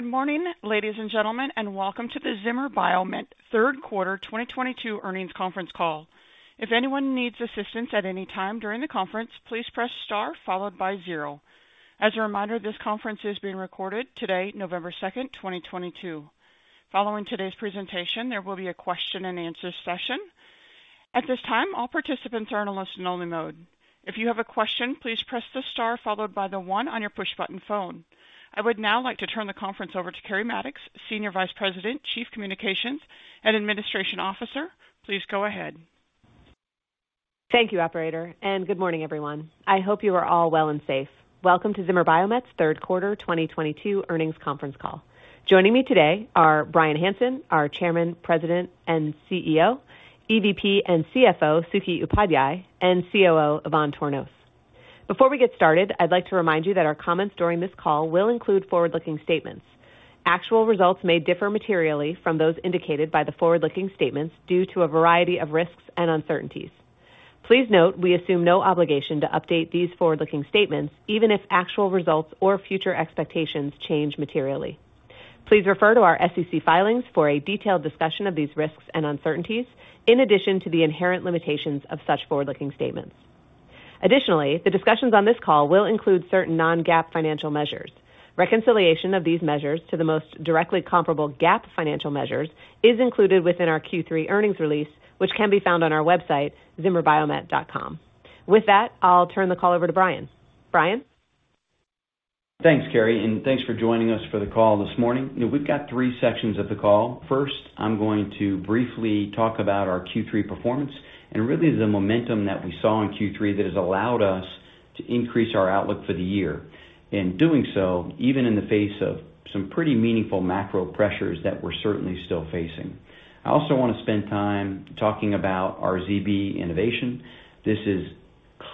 Good morning, ladies and gentlemen, and welcome to the Zimmer Biomet Q3 2022 earnings conference call. If anyone needs assistance at any time during the conference, please press star followed by zero. As a reminder, this conference is being recorded today, November 2nd, 2022. Following today's presentation, there will be a question-and-answer session. At this time, all participants are in a listen only mode. If you have a question, please press the star followed by the one on your push button phone. I would now like to turn the conference over to Keri Mattox, Senior Vice President, Chief Communications and Administration Officer. Please go ahead. Thank you, operator, and good morning, everyone. I hope you are all well and safe. Welcome to Zimmer Biomet's Q3 2022 earnings conference call. Joining me today are Bryan Hanson, our Chairman, President, and CEO, EVP and CFO, Suky Upadhyay, and COO, Ivan Tornos. Before we get started, I'd like to remind you that our comments during this call will include forward-looking statements. Actual results may differ materially from those indicated by the forward-looking statements due to a variety of risks and uncertainties. Please note we assume no obligation to update these forward-looking statements, even if actual results or future expectations change materially. Please refer to our SEC filings for a detailed discussion of these risks and uncertainties, in addition to the inherent limitations of such forward-looking statements. Additionally, the discussions on this call will include certain non-GAAP financial measures. Reconciliation of these measures to the most directly comparable GAAP financial measures is included within our Q3 earnings release, which can be found on our website, zimmerbiomet.com. With that, I'll turn the call over to Bryan. Bryan? Thanks, Keri, and thanks for joining us for the call this morning. We've got 3 sections of the call. First, I'm going to briefly talk about our Q3 performance and really the momentum that we saw in Q3 that has allowed us to increase our outlook for the year. In doing so, even in the face of some pretty meaningful macro pressures that we're certainly still facing. I also want to spend time talking about our ZB innovation. This is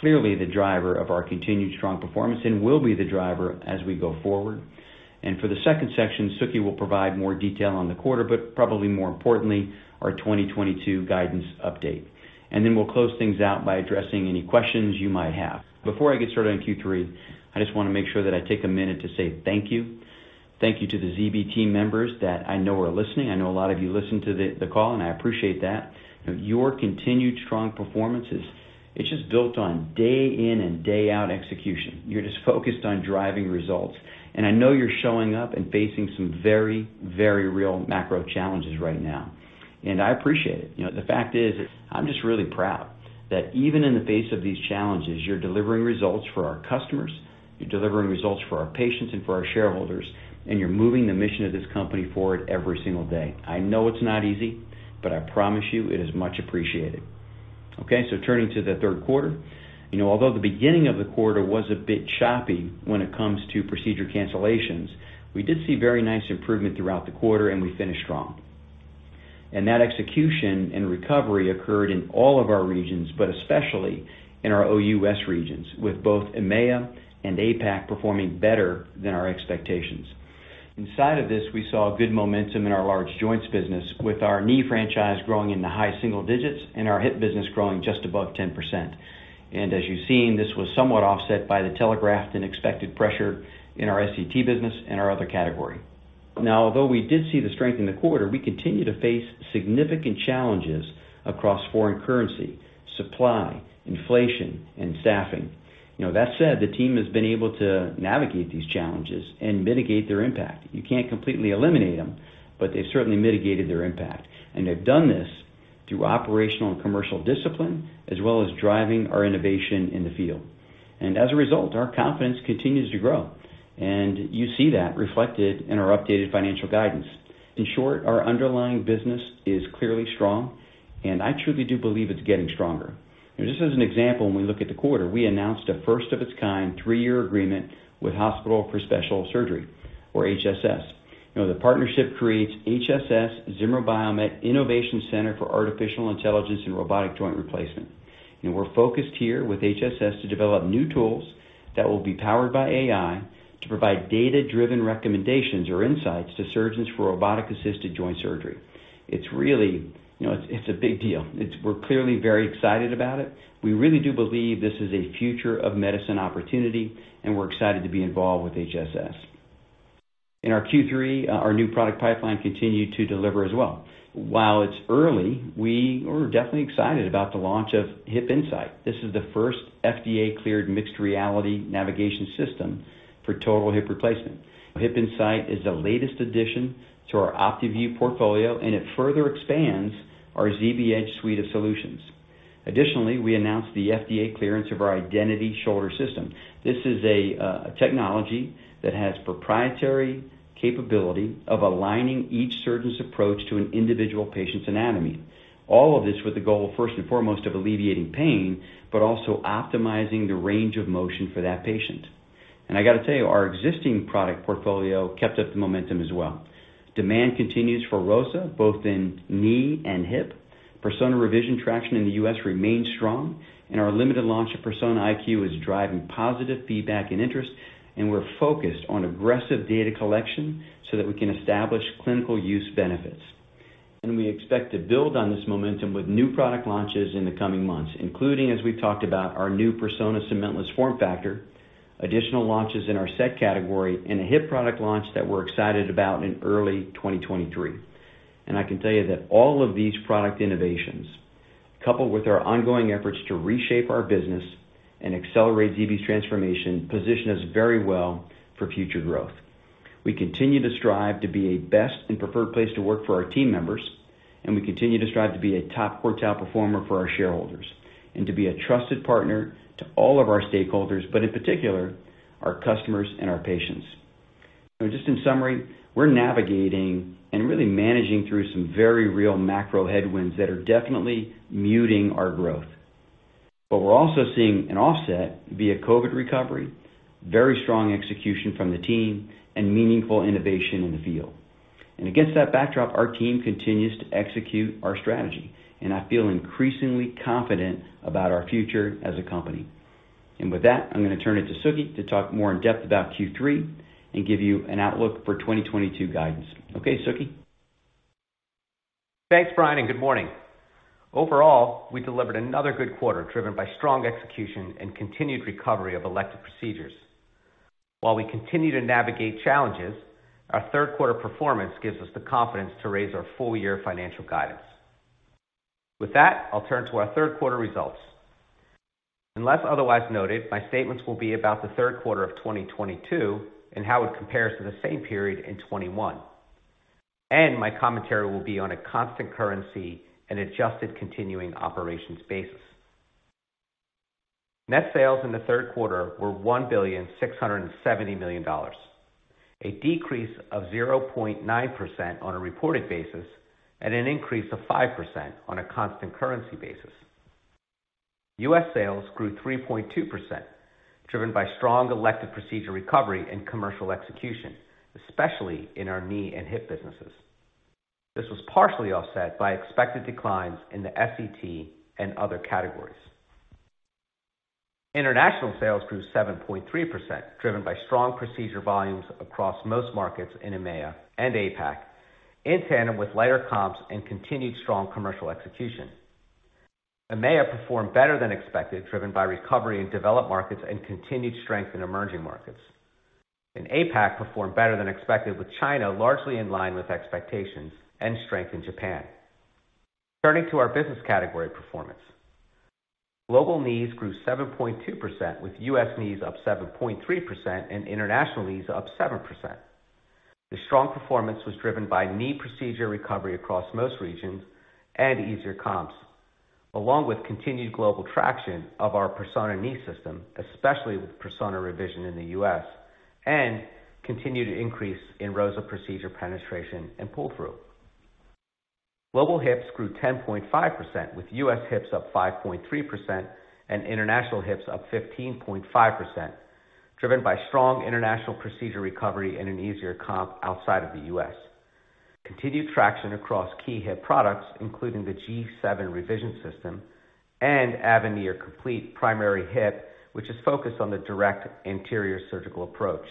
clearly the driver of our continued strong performance and will be the driver as we go forward. For the second section, Suky will provide more detail on the quarter, but probably more importantly, our 2022 guidance update. Then we'll close things out by addressing any questions you might have. Before I get started on Q3, I just want to make sure that I take a minute to say thank you. Thank you to the ZB team members that I know are listening. I know a lot of you listen to the call, and I appreciate that. Your continued strong performances, it's just built on day in and day out execution. You're just focused on driving results. I know you're showing up and facing some very, very real macro challenges right now, and I appreciate it. You know, the fact is, I'm just really proud that even in the face of these challenges, you're delivering results for our customers, you're delivering results for our patients and for our shareholders, and you're moving the mission of this company forward every single day. I know it's not easy, but I promise you it is much appreciated. Okay, turning to the Q3. You know, although the beginning of the quarter was a bit choppy when it comes to procedure cancellations, we did see very nice improvement throughout the quarter, and we finished strong. That execution and recovery occurred in all of our regions, but especially in our OUS regions, with both EMEA and APAC performing better than our expectations. Inside of this, we saw good momentum in our large joints business, with our knee franchise growing in the high single digits and our hip business growing just above 10%. As you've seen, this was somewhat offset by the telegraphed and expected pressure in our S.E.T. business and our other category. Now, although we did see the strength in the quarter, we continue to face significant challenges across foreign currency, supply, inflation, and staffing. You know, that said, the team has been able to navigate these challenges and mitigate their impact. You can't completely eliminate them, but they've certainly mitigated their impact, and they've done this through operational and commercial discipline, as well as driving our innovation in the field. As a result, our confidence continues to grow. You see that reflected in our updated financial guidance. In short, our underlying business is clearly strong, and I truly do believe it's getting stronger. Just as an example, when we look at the quarter, we announced a first of its kind 3-year agreement with Hospital for Special Surgery or HSS. You know, the partnership creates HSS Zimmer Biomet Innovation Center for Artificial Intelligence and Robotic Joint Replacement. We're focused here with HSS to develop new tools that will be powered by AI to provide data-driven recommendations or insights to surgeons for robotic assisted joint surgery. It's really, you know, it's a big deal. We're clearly very excited about it. We really do believe this is a future of medicine opportunity, and we're excited to be involved with HSS. In our Q3, our new product pipeline continued to deliver as well. While it's early, we are definitely excited about the launch of HipInsight. This is the first FDA cleared mixed reality navigation system for total hip replacement. HipInsight is the latest addition to our OptiVu portfolio, and it further expands our ZBEdge suite of solutions. Additionally, we announced the FDA clearance of our Identity Shoulder System. This is a technology that has proprietary capability of aligning each surgeon's approach to an individual patient's anatomy. All of this with the goal, first and foremost, of alleviating pain, but also optimizing the range of motion for that patient. I got to tell you, our existing product portfolio kept up the momentum as well. Demand continues for ROSA, both in knee and hip. Persona Revision traction in the US remains strong, and our limited launch of Persona IQ is driving positive feedback and interest, and we're focused on aggressive data collection so that we can establish clinical use benefits. We expect to build on this momentum with new product launches in the coming months, including, as we've talked about, our new Persona cementless form factor, additional launches in our S.E.T. category, and a hip product launch that we're excited about in early 2023. I can tell you that all of these product innovations, coupled with our ongoing efforts to reshape our business and accelerate ZB's transformation, position us very well for future growth. We continue to strive to be a best and preferred place to work for our team members, and we continue to strive to be a top quartile performer for our shareholders. To be a trusted partner to all of our stakeholders, but in particular, our customers and our patients. Just in summary, we're navigating and really managing through some very real macro headwinds that are definitely muting our growth. We're also seeing an offset via COVID recovery, very strong execution from the team, and meaningful innovation in the field. Against that backdrop, our team continues to execute our strategy, and I feel increasingly confident about our future as a company. With that, I'm gonna turn it to Suky to talk more in-depth about Q3 and give you an outlook for 2022 guidance. Okay, Suky. Thanks, Bryan, and good morning. Overall, we delivered another good quarter driven by strong execution and continued recovery of elective procedures. While we continue to navigate challenges, our Q3 performance gives us the confidence to raise our full-year financial guidance. With that, I'll turn to our Q3 results. Unless otherwise noted, my statements will be about the Q3 of 2022 and how it compares to the same period in 2021. My commentary will be on a constant currency and adjusted continuing operations basis. Net sales in the Q3 were $1.67 billion, a decrease of 0.9% on a reported basis and an increase of 5% on a constant currency basis. U.S. sales grew 3.2%, driven by strong elective procedure recovery and commercial execution, especially in our knee and hip businesses. This was partially offset by expected declines in the S.E.T. and other categories. International sales grew 7.3%, driven by strong procedure volumes across most markets in EMEA and APAC, in tandem with lighter comps and continued strong commercial execution. EMEA performed better than expected, driven by recovery in developed markets and continued strength in emerging markets. APAC performed better than expected, with China largely in line with expectations and strength in Japan. Turning to our business category performance. Global knees grew 7.2%, with U.S. knees up 7.3% and international knees up 7%. The strong performance was driven by knee procedure recovery across most regions and easier comps, along with continued global traction of our Persona Knee system, especially with Persona Revision in the U.S., and continued increase in ROSA procedure penetration and pull-through. Global hips grew 10.5%, with U.S. hips up 5.3% and international hips up 15.5%, driven by strong international procedure recovery and an easier comp outside of the U.S. Continued traction across key hip products, including the G7 Revision System and Avenir Complete Primary Hip, which is focused on the direct anterior surgical approach.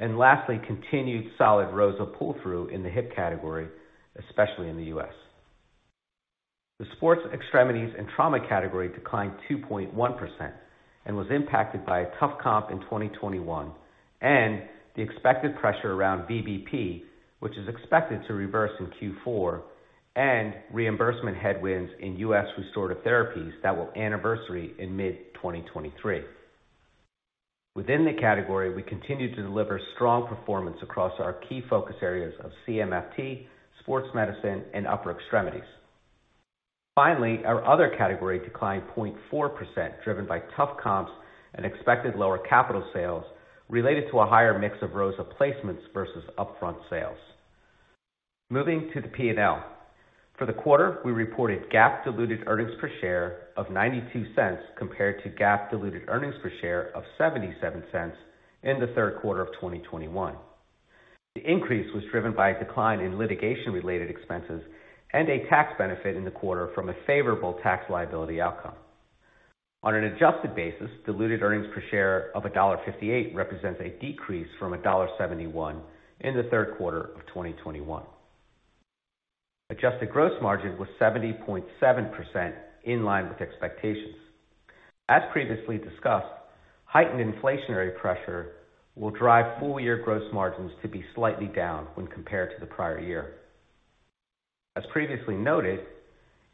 Lastly, continued solid ROSA pull-through in the hip category, especially in the U.S. The sports extremities and trauma category declined 2.1% and was impacted by a tough comp in 2021, and the expected pressure around VBP, which is expected to reverse in Q4, and reimbursement headwinds in U.S. restorative therapies that will anniversary in mid-2023. Within the category, we continue to deliver strong performance across our key focus areas of CMFT, sports medicine, and upper extremities. Finally, our other category declined 0.4%, driven by tough comps and expected lower capital sales related to a higher mix of ROSA placements versus upfront sales. Moving to the P&L. For the quarter, we reported GAAP diluted earnings per share of $0.92 compared to GAAP diluted earnings per share of $0.77 in the Q3 of 2021. The increase was driven by a decline in litigation-related expenses and a tax benefit in the quarter from a favorable tax liability outcome. On an adjusted basis, diluted earnings per share of $1.58 represents a decrease from $1.71 in the Q3 of 2021. Adjusted gross margin was 70.7% in line with expectations. As previously discussed, heightened inflationary pressure will drive full-year gross margins to be slightly down when compared to the prior year. As previously noted,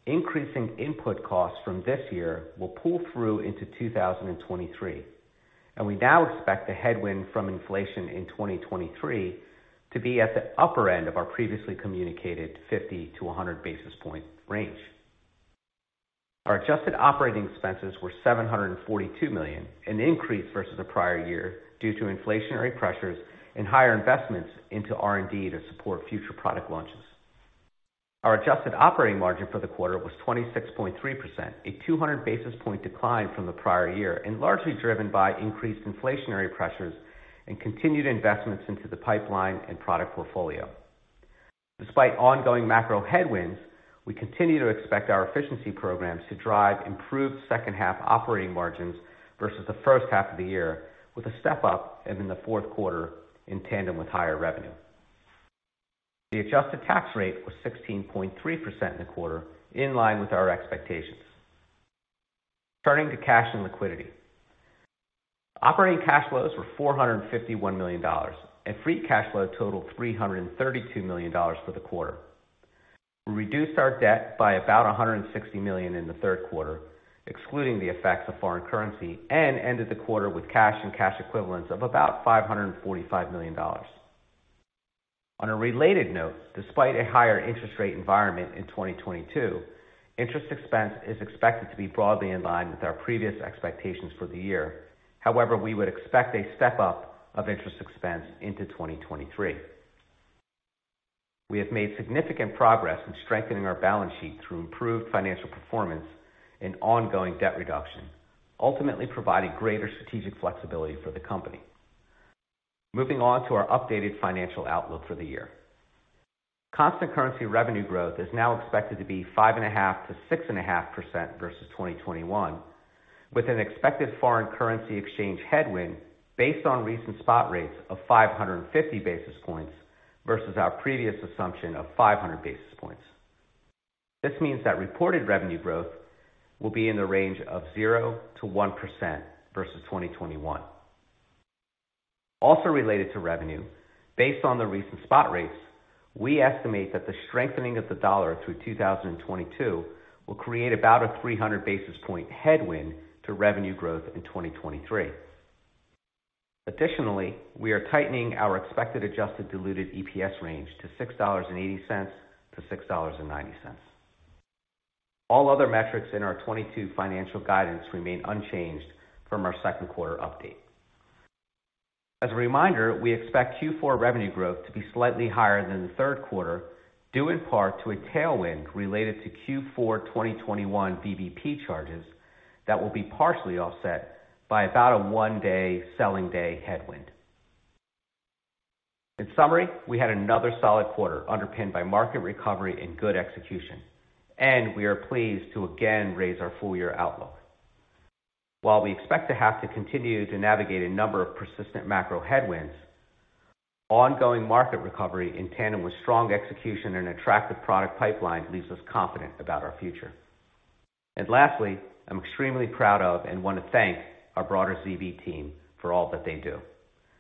increasing input costs from this year will pull through into 2023, and we now expect the headwind from inflation in 2023 to be at the upper end of our previously communicated 50-100 basis point range. Our adjusted operating expenses were $742 million, an increase versus the prior year due to inflationary pressures and higher investments into R&D to support future product launches. Our adjusted operating margin for the quarter was 26.3%, a 200 basis point decline from the prior year, and largely driven by increased inflationary pressures and continued investments into the pipeline and product portfolio. Despite ongoing macro headwinds, we continue to expect our efficiency programs to drive improved H2 operating margins versus the H1 of the year with a step up in the Q4 in tandem with higher revenue. The adjusted tax rate was 16.3% in the quarter, in line with our expectations. Turning to cash and liquidity. Operating cash flows were $451 million, and free cash flow totaled $332 million for the quarter. We reduced our debt by about $160 million in the Q3, excluding the effects of foreign currency, and ended the quarter with cash and cash equivalents of about $545 million. On a related note, despite a higher interest rate environment in 2022, interest expense is expected to be broadly in line with our previous expectations for the year. However, we would expect a step up of interest expense into 2023. We have made significant progress in strengthening our balance sheet through improved financial performance and ongoing debt reduction, ultimately providing greater strategic flexibility for the company. Moving on to our updated financial outlook for the year. Constant currency revenue growth is now expected to be 5.5% to 6.5% versus 2021, with an expected foreign currency exchange headwind based on recent spot rates of 550 basis points versus our previous assumption of 500 basis points. This means that reported revenue growth will be in the range of 0% to 1% versus 2021. Also related to revenue, based on the recent spot rates, we estimate that the strengthening of the dollar through 2022 will create about a 300 basis point headwind to revenue growth in 2023. Additionally, we are tightening our expected adjusted diluted EPS range to $6.80 to $6.90. All other metrics in our 2022 financial guidance remain unchanged from our Q2 update. As a reminder, we expect Q4 revenue growth to be slightly higher than the Q3, due in part to a tailwind related to Q4 2021 VBP charges that will be partially offset by about a 1-day selling day headwind. In summary, we had another solid quarter underpinned by market recovery and good execution, and we are pleased to again raise our full-year outlook. While we expect to have to continue to navigate a number of persistent macro headwinds, ongoing market recovery in tandem with strong execution and attractive product pipeline leaves us confident about our future. Lastly, I'm extremely proud of and want to thank our broader ZB team for all that they do.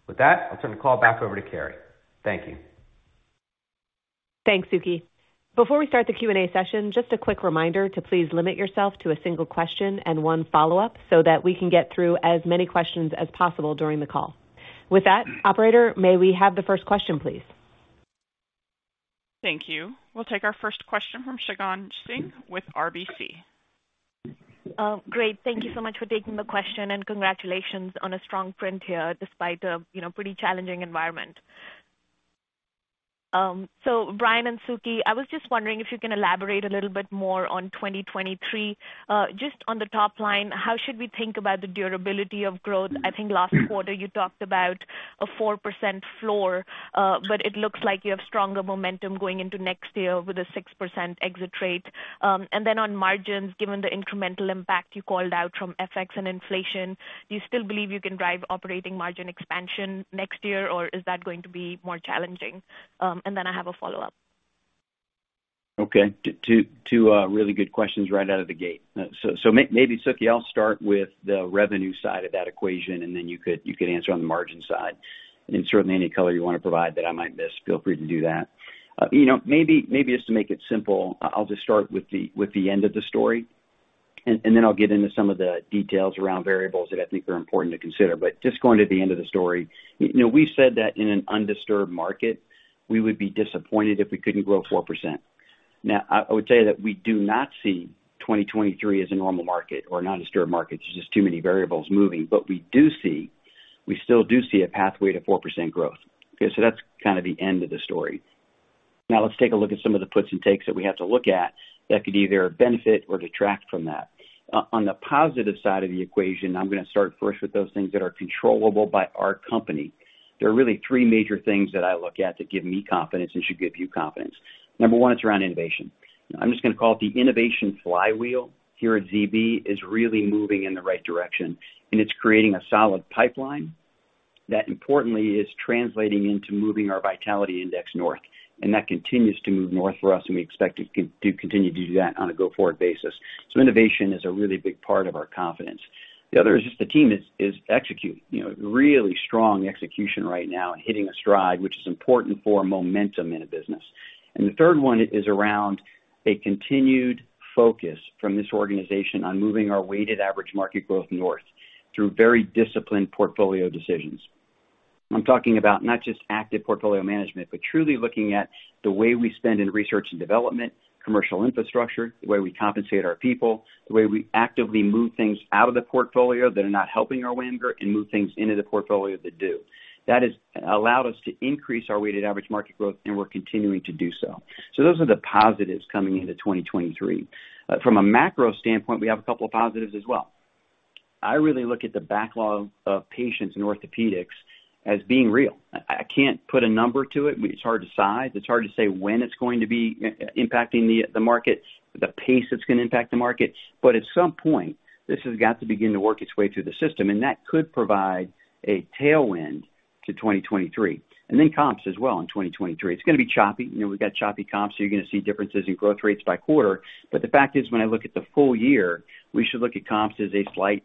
With that, I'll turn the call back over to Keri. Thank you. Thanks, Suky Upadhyay. Before we start the Q&A session, just a quick reminder to please limit yourself to a single question and 1 follow-up so that we can get through as many questions as possible during the call. With that, operator, may we have the first question, please? Thank you. We'll take our first question from Shagun Singh with RBC. Great. Thank you so much for taking the question and congratulations on a strong print here despite a you know pretty challenging environment. Bryan and Suky, I was just wondering if you can elaborate a little bit more on 2023. Just on the top line, how should we think about the durability of growth? I think last quarter you talked about a 4% floor, but it looks like you have stronger momentum going into next year with a 6% exit rate. Then on margins, given the incremental impact you called out from FX and inflation, do you still believe you can drive operating margin expansion next year, or is that going to be more challenging? I have a follow-up. Okay. 2 really good questions right out of the gate. Maybe, Suky, I'll start with the revenue side of that equation, and then you could answer on the margin side. Certainly any color you wanna provide that I might miss, feel free to do that. You know, maybe just to make it simple, I'll just start with the end of the story and then I'll get into some of the details around variables that I think are important to consider. But just going to the end of the story, you know, we said that in an undisturbed market we would be disappointed if we couldn't grow 4%. Now, I would tell you that we do not see 2023 as a normal market or a non-disturbed market. There's just too many variables moving. We still do see a pathway to 4% growth. Okay? That's kind of the end of the story. Now let's take a look at some of the puts and takes that we have to look at that could either benefit or detract from that. On the positive side of the equation, I'm gonna start first with those things that are controllable by our company. There are really 3 major things that I look at that give me confidence and should give you confidence. Number 1, it's around innovation. I'm just gonna call it the innovation flywheel here at ZB is really moving in the right direction, and it's creating a solid pipeline that importantly is translating into moving our vitality index north. That continues to move north for us, and we expect it to continue to do that on a go-forward basis. Innovation is a really big part of our confidence. The other is just the team is executing, you know, really strong execution right now and hitting a stride, which is important for momentum in a business. The third one is around a continued focus from this organization on moving our weighted average market growth north through very disciplined portfolio decisions. I'm talking about not just active portfolio management, but truly looking at the way we spend in research and development, commercial infrastructure, the way we compensate our people, the way we actively move things out of the portfolio that are not helping our WAMGR and move things into the portfolio that do. That has allowed us to increase our weighted average market growth, and we're continuing to do so. Those are the positives coming into 2023. From a macro standpoint, we have a couple of positives as well. I really look at the backlog of patients in orthopedics as being real. I can't put a number to it, but it's hard to size. It's hard to say when it's going to be impacting the markets, the pace that's gonna impact the markets, but at some point, this has got to begin to work its way through the system, and that could provide a tailwind to 2023, and then comps as well in 2023. It's gonna be choppy. You know, we've got choppy comps, so you're gonna see differences in growth rates by quarter. The fact is, when I look at the full year, we should look at comps as a slight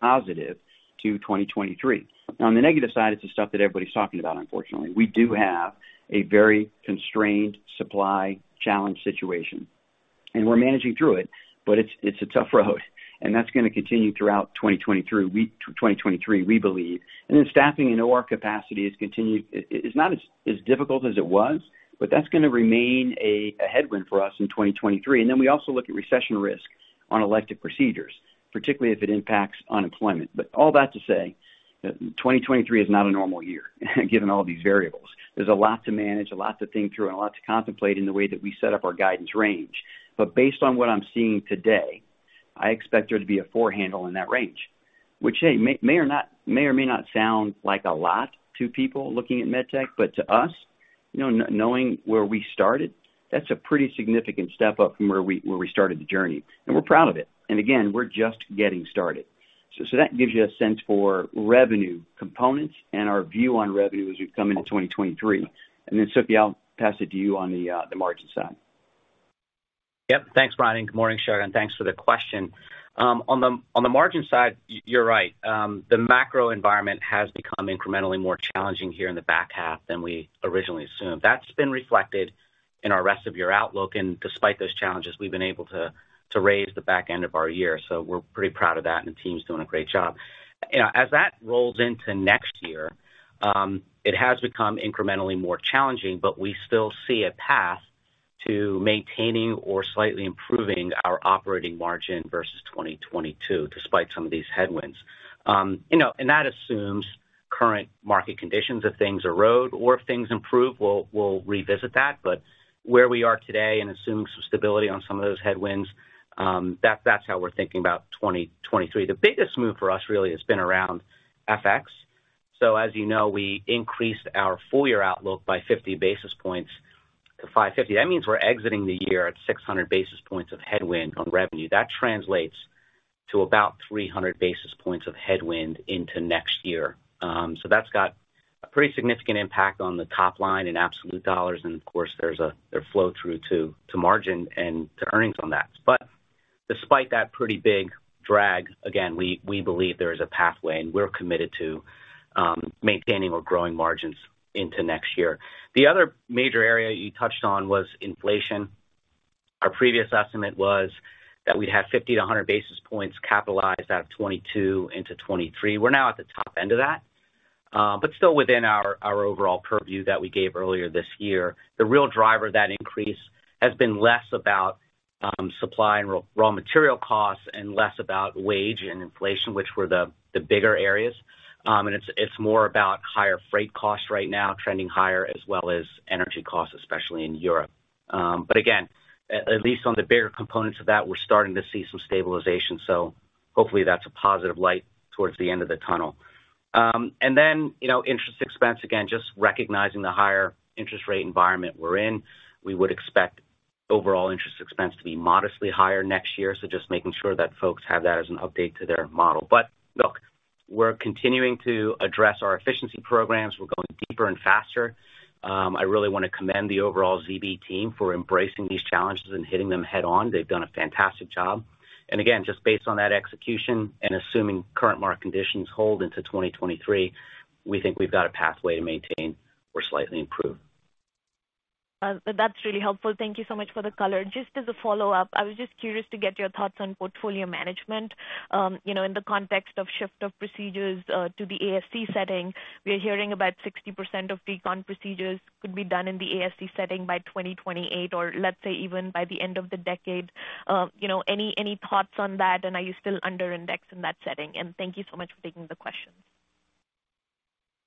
positive to 2023. On the negative side, it's the stuff that everybody's talking about, unfortunately. We do have a very constrained supply challenge situation, and we're managing through it, but it's a tough road and that's gonna continue throughout 2023, we believe. Staffing and OR capacity has continued. It's not as difficult as it was, but that's gonna remain a headwind for us in 2023. We also look at recession risk on elective procedures, particularly if it impacts unemployment. All that to say that 2023 is not a normal year, given all these variables. There's a lot to manage, a lot to think through, and a lot to contemplate in the way that we set up our guidance range. Based on what I'm seeing today, I expect there to be a 4 handle in that range, which, hey, may or may not sound like a lot to people looking at Medtech, but to us, you know, knowing where we started, that's a pretty significant step up from where we started the journey, and we're proud of it. Again, we're just getting started. That gives you a sense for revenue components and our view on revenue as we come into 2023. Then, Suky, I'll pass it to you on the margin side. Yep. Thanks, Bryan, and good morning, Shagun. Thanks for the question. On the margin side, you're right. The macro environment has become incrementally more challenging here in the back half than we originally assumed. That's been reflected in our rest of year outlook, and despite those challenges, we've been able to raise the back end of our year. We're pretty proud of that, and the team's doing a great job. You know, as that rolls into next year, it has become incrementally more challenging, but we still see a path to maintaining or slightly improving our operating margin versus 2022, despite some of these headwinds. You know, and that assumes current market conditions. If things erode or if things improve, we'll revisit that. Where we are today and assuming some stability on some of those headwinds, that's how we're thinking about 2023. The biggest move for us really has been around FX. As you know, we increased our full year outlook by 50 basis points to 550. That means we're exiting the year at 600 basis points of headwind on revenue. That translates to about 300 basis points of headwind into next year. That's got a pretty significant impact on the top line in absolute dollars and, of course, there's a flow-through to margin and to earnings on that. Despite that pretty big drag, again, we believe there is a pathway, and we're committed to maintaining or growing margins into next year. The other major area you touched on was inflation. Our previous estimate was that we'd have 50 to 100 basis points capitalized out of 2022 into 2023. We're now at the top end of that, but still within our overall purview that we gave earlier this year. The real driver of that increase has been less about supply and raw material costs and less about wage and inflation, which were the bigger areas. It's more about higher freight costs right now trending higher, as well as energy costs, especially in Europe. Again, at least on the bigger components of that, we're starting to see some stabilization. Hopefully that's a positive light towards the end of the tunnel. You know, interest expense, again, just recognizing the higher interest rate environment we're in, we would expect overall interest expense to be modestly higher next year. Just making sure that folks have that as an update to their model. Look, we're continuing to address our efficiency programs. We're going deeper and faster. I really wanna commend the overall ZB team for embracing these challenges and hitting them head on. They've done a fantastic job. Again, just based on that execution and assuming current market conditions hold into 2023, we think we've got a pathway to maintain or slightly improve. That's really helpful. Thank you so much for the color. Just as a follow-up, I was just curious to get your thoughts on portfolio management. You know, in the context of shift of procedures to the ASC setting, we are hearing about 60% of recon procedures could be done in the ASC setting by 2028 or let's say even by the end of the decade. You know, any thoughts on that, and are you still under indexed in that setting? Thank you so much for taking the question.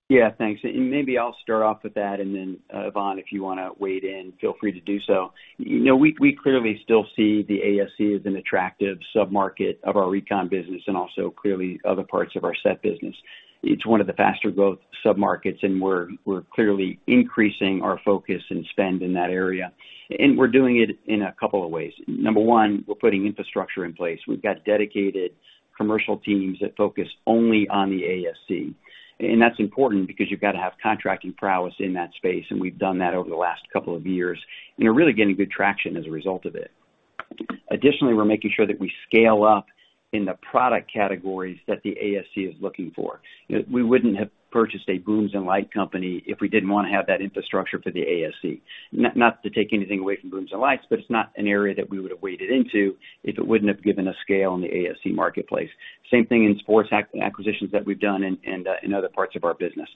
Yeah, thanks. Maybe I'll start off with that, and then, Ivan, if you wanna weigh in, feel free to do so. You know, we clearly still see the ASC as an attractive sub-market of our recon business and also clearly other parts of our set business. It's one of the faster growth sub-markets, and we're clearly increasing our focus and spend in that area. We're doing it in a couple of ways. Number 1, we're putting infrastructure in place. We've got dedicated commercial teams that focus only on the ASC. That's important because you've gotta have contracting prowess in that space, and we've done that over the last couple of years, and we're really getting good traction as a result of it. Additionally, we're making sure that we scale up in the product categories that the ASC is looking for. You know, we wouldn't have purchased a Booms and Lights company if we didn't wanna have that infrastructure for the ASC. Not to take anything away from Booms and Lights, but it's not an area that we would have waded into if it wouldn't have given us scale in the ASC marketplace. Same thing in sports acquisitions that we've done and in other parts of our business.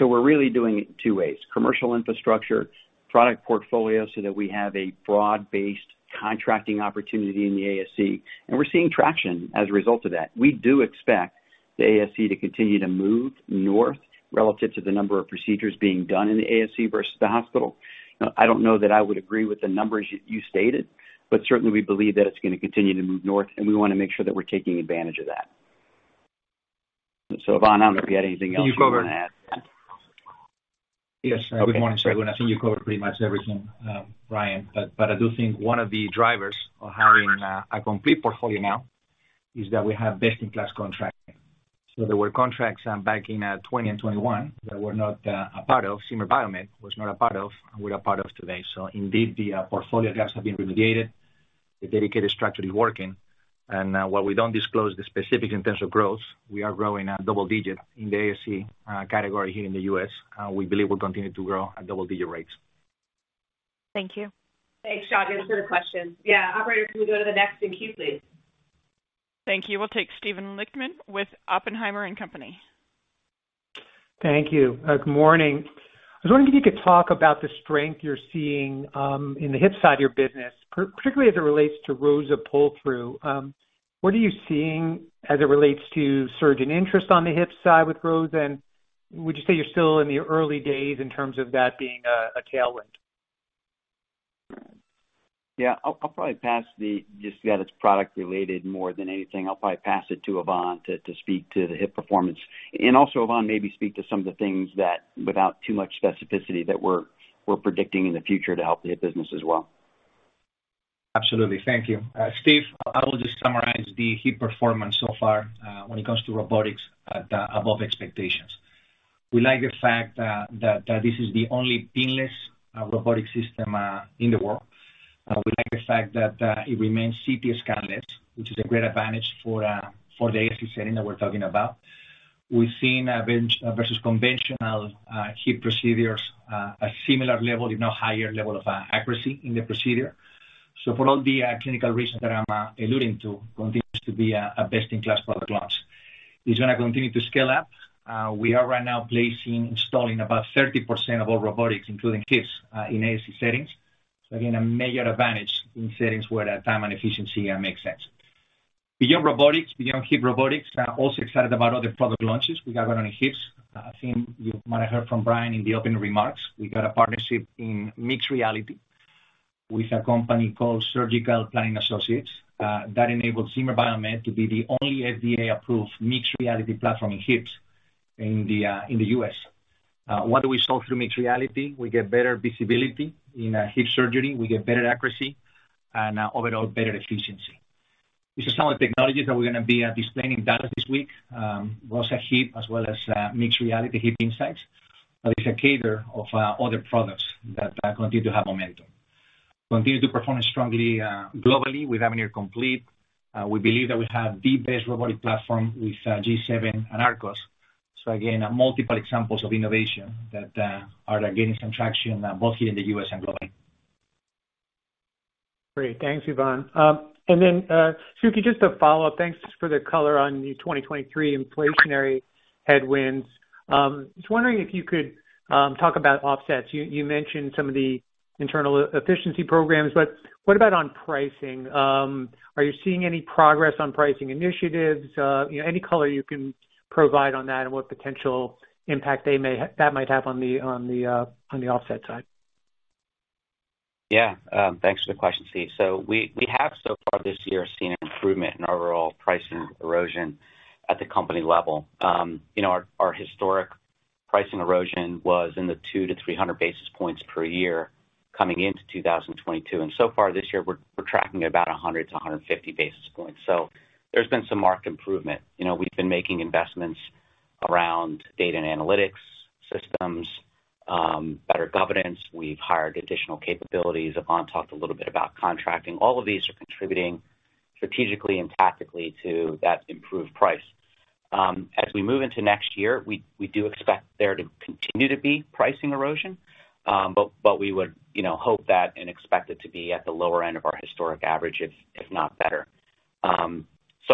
We're really doing it 2 ways, commercial infrastructure, product portfolio, so that we have a broad-based contracting opportunity in the ASC. We're seeing traction as a result of that. We do expect the ASC to continue to move north relative to the number of procedures being done in the ASC versus the hospital. Now, I don't know that I would agree with the numbers you stated, but certainly we believe that it's going to continue to move north, and we want to make sure that we're taking advantage of that. Ivan, I don't know if you had anything else you want to add. Yes. Good morning. I think you covered pretty much everything, Bryan. But I do think one of the drivers of having a complete portfolio now is that we have best-in-class contracting. There were contracts back in 2020 and 2021 that we're not a part of, Zimmer Biomet was not a part of, and we're a part of today. Indeed, the portfolio gaps have been remediated, the dedicated strategy working. While we don't disclose the specifics in terms of growth, we are growing at double digits in the ASC category here in the U.S. We believe we'll continue to grow at double-digit rates. Thank you. Thanks, Shagun, for the question. Yeah. Operator, can we go to the next in queue, please? Thank you. We'll take Steven Lichtman with Oppenheimer & Co. Inc. Thank you. Good morning. I was wondering if you could talk about the strength you're seeing in the hip side of your business, particularly as it relates to ROSA pull-through. What are you seeing as it relates to surgeon interest on the hip side with ROSA? And would you say you're still in the early days in terms of that being a tailwind? Yeah. I'll probably pass the. Just that it's product related more than anything. I'll probably pass it to Ivan to speak to the hip performance. Also, Ivan, maybe speak to some of the things that, without too much specificity, that we're predicting in the future to help the hip business as well. Absolutely. Thank you. Steve, I will just summarize the hip performance so far, when it comes to robotics above expectations. We like the fact that this is the only pinless robotic system in the world. We like the fact that it remains CT scan-less, which is a great advantage for the ASC setting that we're talking about. We've seen versus conventional hip procedures a similar level, if not higher level of accuracy in the procedure. For all the clinical reasons that I'm alluding to, continues to be a best-in-class product launch. It's gonna continue to scale up. We are right now placing, installing about 30% of all robotics, including hips, in ASC settings. Again, a major advantage in settings where time and efficiency makes sense. Beyond robotics, beyond hip robotics, also excited about other product launches we got going on hips. I think you might have heard from Bryan in the opening remarks. We got a partnership in mixed reality with a company called Surgical Planning Associates that enables Zimmer Biomet to be the only FDA-approved mixed reality platform in hips in the US. What do we solve through mixed reality? We get better visibility in hip surgery. We get better accuracy and overall better efficiency. These are some of the technologies that we're gonna be displaying in Dallas this week, ROSA Hip as well as mixed reality HipInsight. But it's a cadre of other products that continue to have momentum. Continue to perform strongly, globally with Avenir Complete. We believe that we have the best robotic platform with G7 and Arcos. Again, multiple examples of innovation that are gaining some traction, both here in the U.S. and globally. Great. Thanks, Ivan. Suky, just a follow-up. Thanks for the color on the 2023 inflationary headwinds. Just wondering if you could talk about offsets. You mentioned some of the internal efficiency programs, but what about on pricing? Are you seeing any progress on pricing initiatives? You know, any color you can provide on that and what potential impact that might have on the offset side? Yeah. Thanks for the question, Steven. We have so far this year seen an improvement in overall pricing erosion at the company level. You know, our historic pricing erosion was in the 200-300 basis points per year coming into 2022. So far this year, we're tracking about 100-150 basis points. There's been some marked improvement. You know, we've been making investments around data and analytics systems, better governance. We've hired additional capabilities. Ivan talked a little bit about contracting. All of these are contributing strategically and tactically to that improved price. As we move into next year, we do expect there to continue to be pricing erosion. We would, you know, hope that and expect it to be at the lower end of our historic average, if not better.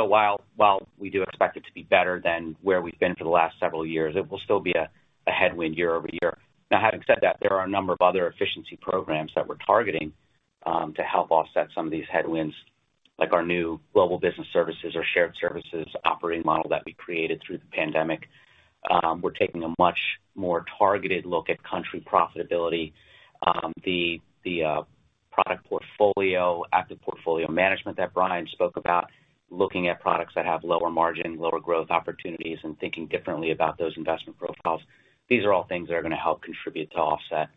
While we do expect it to be better than where we've been for the last several years, it will still be a headwind year over year. Now, having said that, there are a number of other efficiency programs that we're targeting to help offset some of these headwinds, like our new global business services or shared services operating model that we created through the pandemic. We're taking a much more targeted look at country profitability, the product portfolio, active portfolio management that Bryan spoke about, looking at products that have lower margin, lower growth opportunities, and thinking differently about those investment profiles. These are all things that are gonna help contribute to offset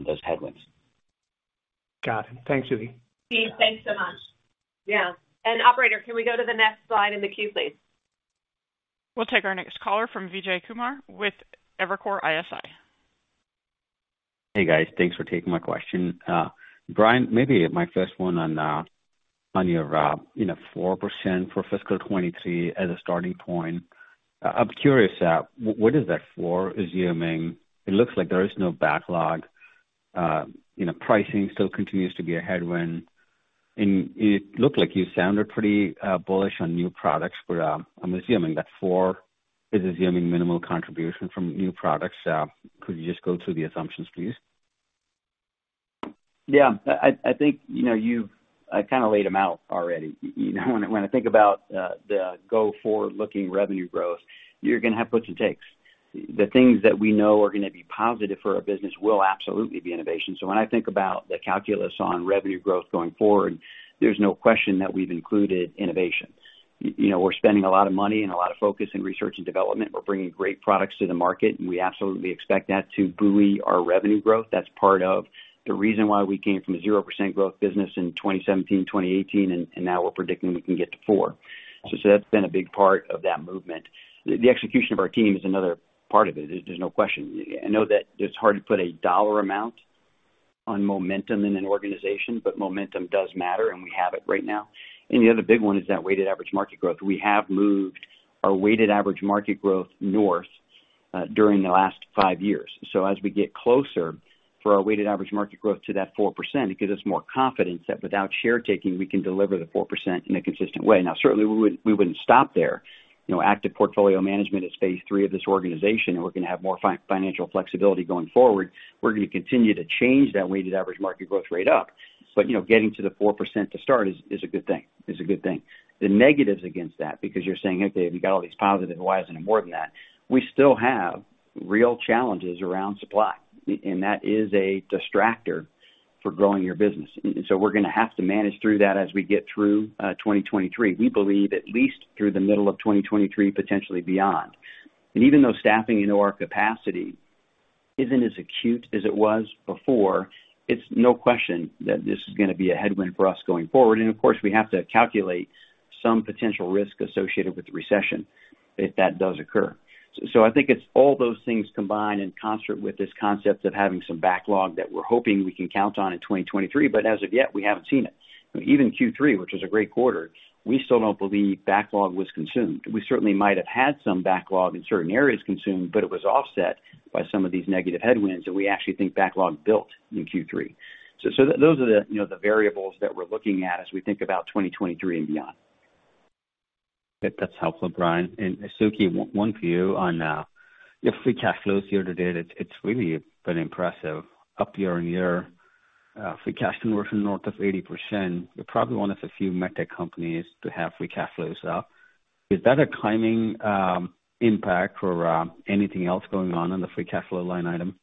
those headwinds. Got it. Thanks, Suky. Steve, thanks so much. Yeah. Operator, can we go to the next slide in the queue, please? We'll take our next caller from Vijay Kumar with Evercore ISI. Hey, guys. Thanks for taking my question. Bryan, maybe my first one on your 4% for fiscal 2023 as a starting point. I'm curious, what is that 4 assuming? It looks like there is no backlog. You know, pricing still continues to be a headwind. It looked like you sounded pretty bullish on new products. I'm assuming that 4 is assuming minimal contribution from new products. Could you just go through the assumptions, please? Yeah, I think, you know, you've kind of laid them out already. You know, when I think about the forward-looking revenue growth, you're gonna have puts and takes. The things that we know are gonna be positive for our business will absolutely be innovation. When I think about the calculus on revenue growth going forward, there's no question that we've included innovation. You know, we're spending a lot of money and a lot of focus in research and development. We're bringing great products to the market, and we absolutely expect that to buoy our revenue growth. That's part of the reason why we came from a 0% growth business in 2017, 2018, and now we're predicting we can get to 4%. That's been a big part of that movement. The execution of our team is another part of it. There's no question. I know that it's hard to put a dollar amount on momentum in an organization, but momentum does matter, and we have it right now. The other big one is that weighted average market growth. We have moved our weighted average market growth north during the last 5 years. As we get closer for our weighted average market growth to that 4%, it gives us more confidence that without share taking, we can deliver the 4% in a consistent way. Now, certainly we wouldn't stop there. You know, active portfolio management is phase III of this organization, and we're gonna have more financial flexibility going forward. We're gonna continue to change that weighted average market growth rate up. You know, getting to the 4% to start is a good thing. The negatives against that, because you're saying, "Okay, if you got all these positive why isn't it more than that?" We still have real challenges around supply, and that is a distractor for growing your business. We're gonna have to manage through that as we get through 2023. We believe at least through the middle of 2023, potentially beyond. Even though staffing, you know, our capacity isn't as acute as it was before, it's no question that this is gonna be a headwind for us going forward. Of course, we have to calculate some potential risk associated with the recession if that does occur. I think it's all those things combined in concert with this concept of having some backlog that we're hoping we can count on in 2023, but as of yet, we haven't seen it. Even Q3, which was a great quarter, we still don't believe backlog was consumed. We certainly might have had some backlog in certain areas consumed, but it was offset by some of these negative headwinds, and we actually think backlog built in Q3. Those are the, you know, the variables that we're looking at as we think about 2023 and beyond. That's helpful, Bryan. Suky, 1 for you on your free cash flows year to date. It's really been impressive up year-over-year. Free cash conversion north of 80%. You're probably one of the few med tech companies to have free cash flows up. Is that a timing impact or anything else going on the free cash flow line item?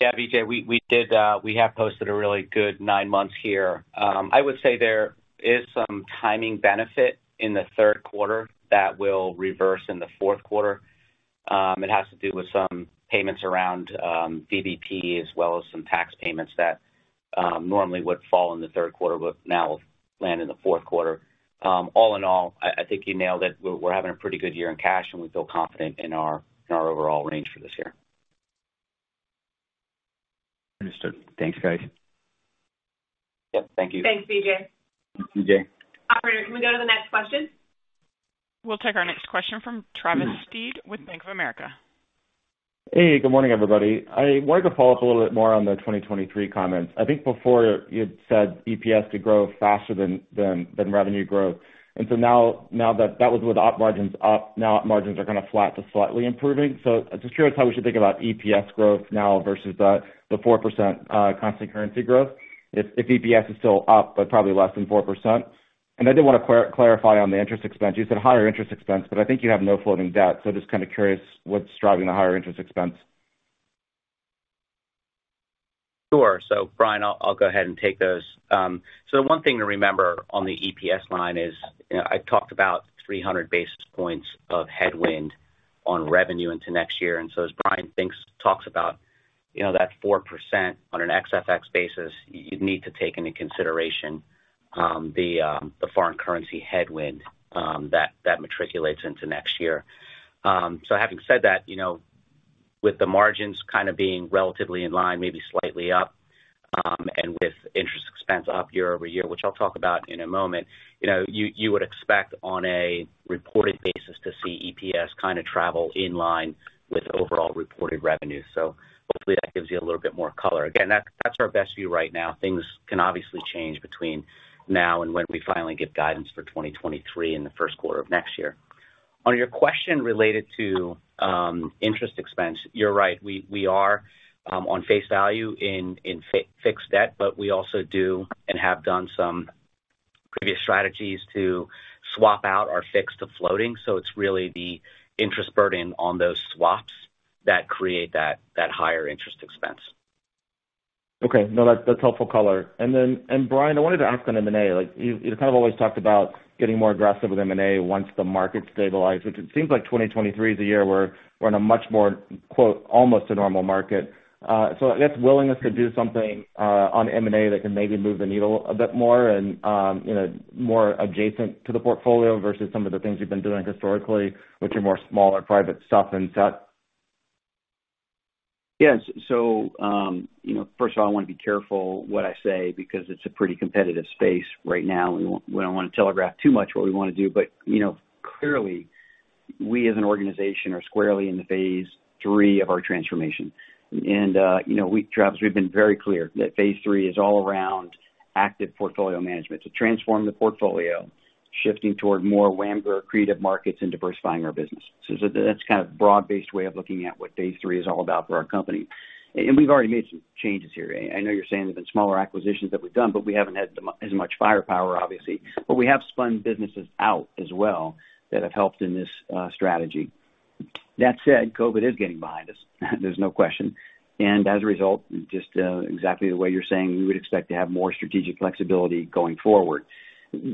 Yeah, Vijay, we have posted a really good 9 months here. I would say there is some timing benefit in the Q3 that will reverse in the Q4. It has to do with some payments around VBP as well as some tax payments that normally would fall in the Q3, but now will land in the Q4. All in all, I think you nailed it. We're having a pretty good year in cash, and we feel confident in our overall range for this year. Understood. Thanks, guys. Yep, thank you. Thanks, Vijay. Thanks, Vijay. Operator, can we go to the next question? We'll take our next question from Travis Steed with Bank of America. Hey, good morning, everybody. I wanted to follow up a little bit more on the 2023 comments. I think before you had said EPS to grow faster than revenue growth. Now that was with op margins up, now op margins are kind of flat to slightly improving. Just curious how we should think about EPS growth now versus the 4% constant currency growth if EPS is still up, but probably less than 4%. I did wanna clarify on the interest expense. You said higher interest expense, but I think you have no floating debt. Just kind of curious what's driving the higher interest expense. Sure. Bryan, I'll go ahead and take those. 1 thing to remember on the EPS line is, you know, I talked about 300 basis points of headwind on revenue into next year. As Bryan talks about, you know, that 4% on an ex-FX basis, you need to take into consideration the foreign currency headwind that materializes into next year. Having said that, you know, with the margins kind of being relatively in line, maybe slightly up, and with interest expense up year-over-year, which I'll talk about in a moment, you know, you would expect on a reported basis to see EPS kinda travel in line with overall reported revenue. Hopefully that gives you a little bit more color. Again, that's our best view right now. Things can obviously change between now and when we finally give guidance for 2023 in the Q1 of next year. On your question related to interest expense, you're right. We are on face value in fixed debt, but we also do and have done some previous strategies to swap out our fixed to floating. It's really the interest burden on those swaps that create that higher interest expense. Okay. No, that's helpful color. Bryan, I wanted to ask on M&A. Like, you kind of always talked about getting more aggressive with M&A once the market stabilized, which it seems like 2023 is a year where we're in a much more, quote, "almost a normal market." I guess willingness to do something on M&A that can maybe move the needle a bit more and, you know, more adjacent to the portfolio versus some of the things you've been doing historically, which are more smaller private stuff and such. Yes. You know, first of all, I wanna be careful what I say because it's a pretty competitive space right now, and we don't wanna telegraph too much what we wanna do. You know, clearly, we as an organization are squarely in the phase III of our transformation. You know, we, Travis, we've been very clear that phase III is all around active portfolio management to transform the portfolio, shifting toward more WAMGR accretive markets and diversifying our business. That's kind of broad-based way of looking at what phase III is all about for our company. We've already made some changes here. I know you're saying there's been smaller acquisitions that we've done, but we haven't had as much firepower, obviously, but we have spun businesses out as well that have helped in this strategy. That said, COVID is getting behind us, there's no question. As a result, just exactly the way you're saying, we would expect to have more strategic flexibility going forward.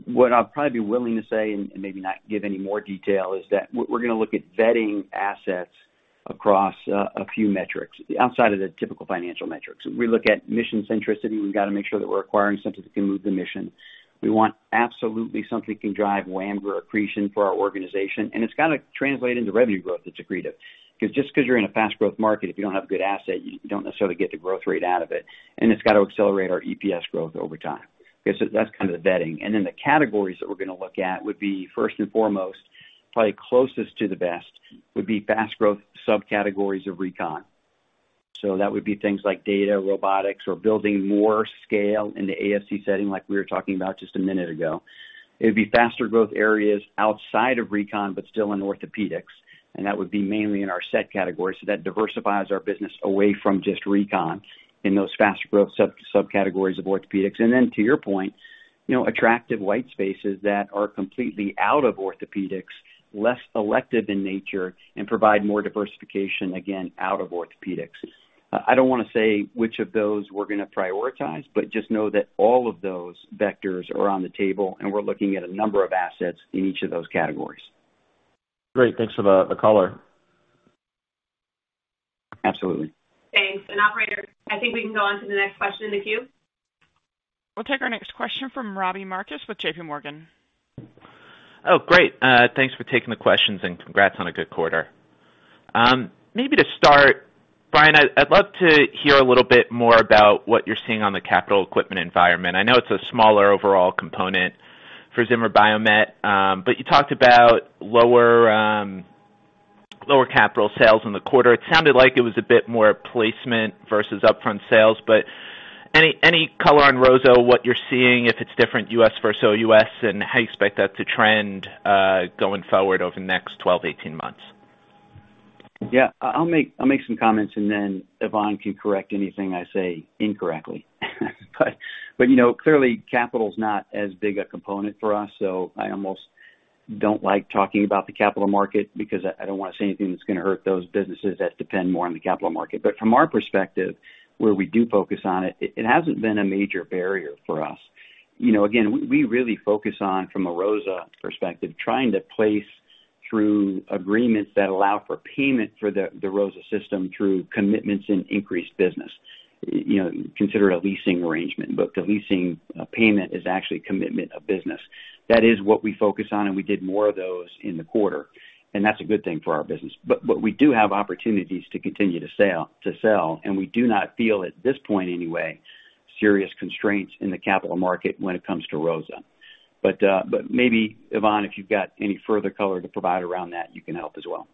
What I'll probably be willing to say, and maybe not give any more detail, is that we're gonna look at vetting assets across a few metrics, outside of the typical financial metrics. We look at mission centricity. We've got to make sure that we're acquiring something that can move the mission. We want absolutely something can drive WAMGR accretion for our organization, and it's got to translate into revenue growth that's accretive, because just 'cause you're in a fast growth market, if you don't have a good asset, you don't necessarily get the growth rate out of it. It's got to accelerate our EPS growth over time. Okay. That's kind of the vetting. Then the categories that we're gonna look at would be, first and foremost, probably closest to the best, would be fast growth subcategories of recon. That would be things like data, robotics, or building more scale in the ASC setting like we were talking about just a minute ago. It would be faster growth areas outside of recon, but still in orthopedics, and that would be mainly in our S.E.T. category. That diversifies our business away from just recon in those faster growth subcategories of orthopedics. To your point, you know, attractive white spaces that are completely out of orthopedics, less elective in nature, and provide more diversification, again, out of orthopedics. I don't wanna say which of those we're gonna prioritize, but just know that all of those vectors are on the table, and we're looking at a number of assets in each of those categories. Great. Thanks for the color. Absolutely. Thanks. Operator, I think we can go on to the next question in the queue. We'll take our next question from Robbie Marcus with JP Morgan. Oh, great. Thanks for taking the questions and congrats on a good quarter. Maybe to start, Bryan, I'd love to hear a little bit more about what you're seeing on the capital equipment environment. I know it's a smaller overall component for Zimmer Biomet, but you talked about lower capital sales in the quarter. It sounded like it was a bit more placement versus upfront sales, but any color on ROSA, what you're seeing, if it's different U.S. versus OUS, and how you expect that to trend going forward over the next 12 to 18 months? Yeah. I'll make some comments and then Ivan can correct anything I say incorrectly. You know, clearly, capital is not as big a component for us, so I almost don't like talking about the capital market because I don't wanna say anything that's gonna hurt those businesses that depend more on the capital market. From our perspective, where we do focus on it hasn't been a major barrier for us. You know, again, we really focus on, from a ROSA perspective, trying to place through agreements that allow for payment for the ROSA system through commitments in increased business. You know, consider it a leasing arrangement, but the leasing payment is actually a commitment of business. That is what we focus on, and we did more of those in the quarter, and that's a good thing for our business. We do have opportunities to continue to sell, and we do not feel at this point anyway, serious constraints in the capital market when it comes to ROSA. Maybe, Ivan, if you've got any further color to provide around that, you can help as well.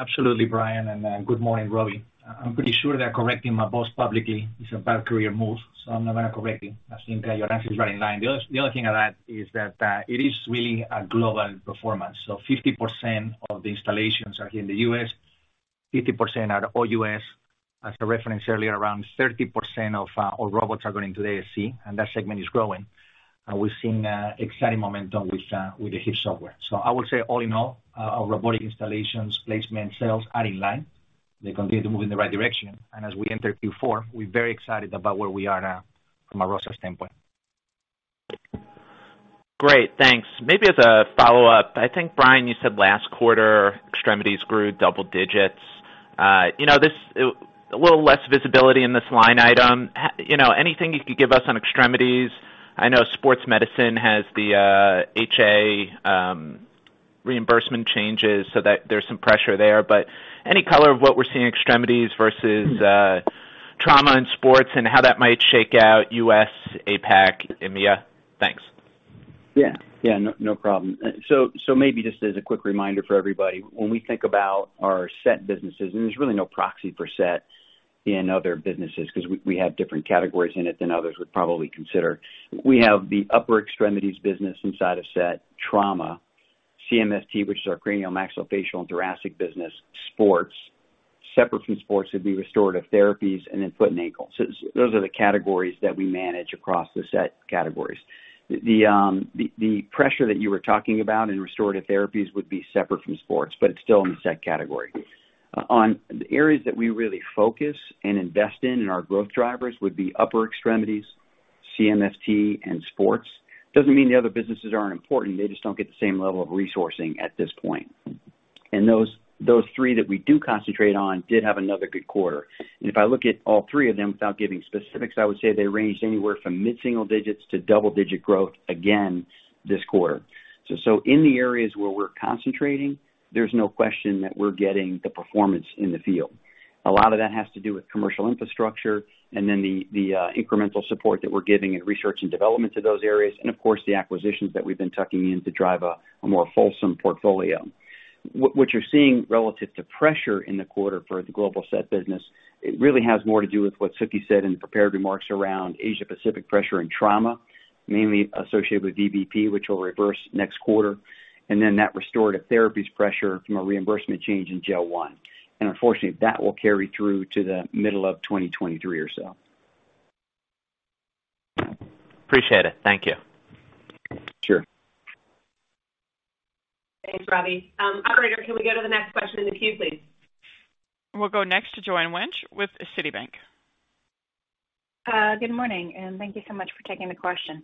Absolutely, Bryan, good morning, Robbie. I'm pretty sure that correcting my boss publicly is a bad career move, so I'm not gonna correct you. I simply think your answer is right in line. The other thing of that is that it is really a global performance. 50% of the installations are here in the U.S., 50% are OUS. As I referenced earlier, around 30% of our robots are going to the ASC, and that segment is growing. We've seen exciting momentum with the hip software. I would say all in all, our robotic installations placement sales are in line. They continue to move in the right direction. As we enter Q4, we're very excited about where we are now from a ROSA standpoint. Great. Thanks. Maybe as a follow-up. I think, Bryan, you said last quarter, extremities grew double digits. You know, this a little less visibility in this line item. You know, anything you could give us on extremities? I know sports medicine has the, HA, reimbursement changes so that there's some pressure there. But any color on what we're seeing extremities versus, trauma and sports and how that might shake out US, APAC, EMEA? Thanks. Yeah, no problem. Maybe just as a quick reminder for everybody, when we think about our S.E.T. businesses, and there's really no proxy for S.E.T. in other businesses because we have different categories in it than others would probably consider. We have the upper extremities business inside of S.E.T., trauma, CMFT, which is our cranial maxillofacial and thoracic business, sports. Separate from sports would be restorative therapies and then foot and ankle. Those are the categories that we manage across the S.E.T. categories. The pressure that you were talking about in restorative therapies would be separate from sports, but it's still in the S.E.T. category. On the areas that we really focus and invest in our growth drivers would be upper extremities, CMFT, and sports. Doesn't mean the other businesses aren't important. They just don't get the same level of resourcing at this point. Those 3 that we do concentrate on did have another good quarter. If I look at all 3 of them without giving specifics, I would say they ranged anywhere from mid-single digits to double-digit growth again this quarter. In the areas where we're concentrating, there's no question that we're getting the performance in the field. A lot of that has to do with commercial infrastructure and then the incremental support that we're giving in research and development to those areas, and of course, the acquisitions that we've been tucking in to drive a more fulsome portfolio. What you're seeing relative to pressure in the quarter for the global S.E.T. business, it really has more to do with what Suky said in the prepared remarks around Asia-Pacific pressure and trauma, mainly associated with VBP, which will reverse next quarter, and then that restorative therapies pressure from a reimbursement change in Gel-One. Unfortunately, that will carry through to the middle of 2023 or so. Appreciate it. Thank you. Sure. Thanks, Robbie. Operator, can we go to the next question in the queue, please? We'll go next to Joanne Wuensch with Citibank. Good morning, and thank you so much for taking the question.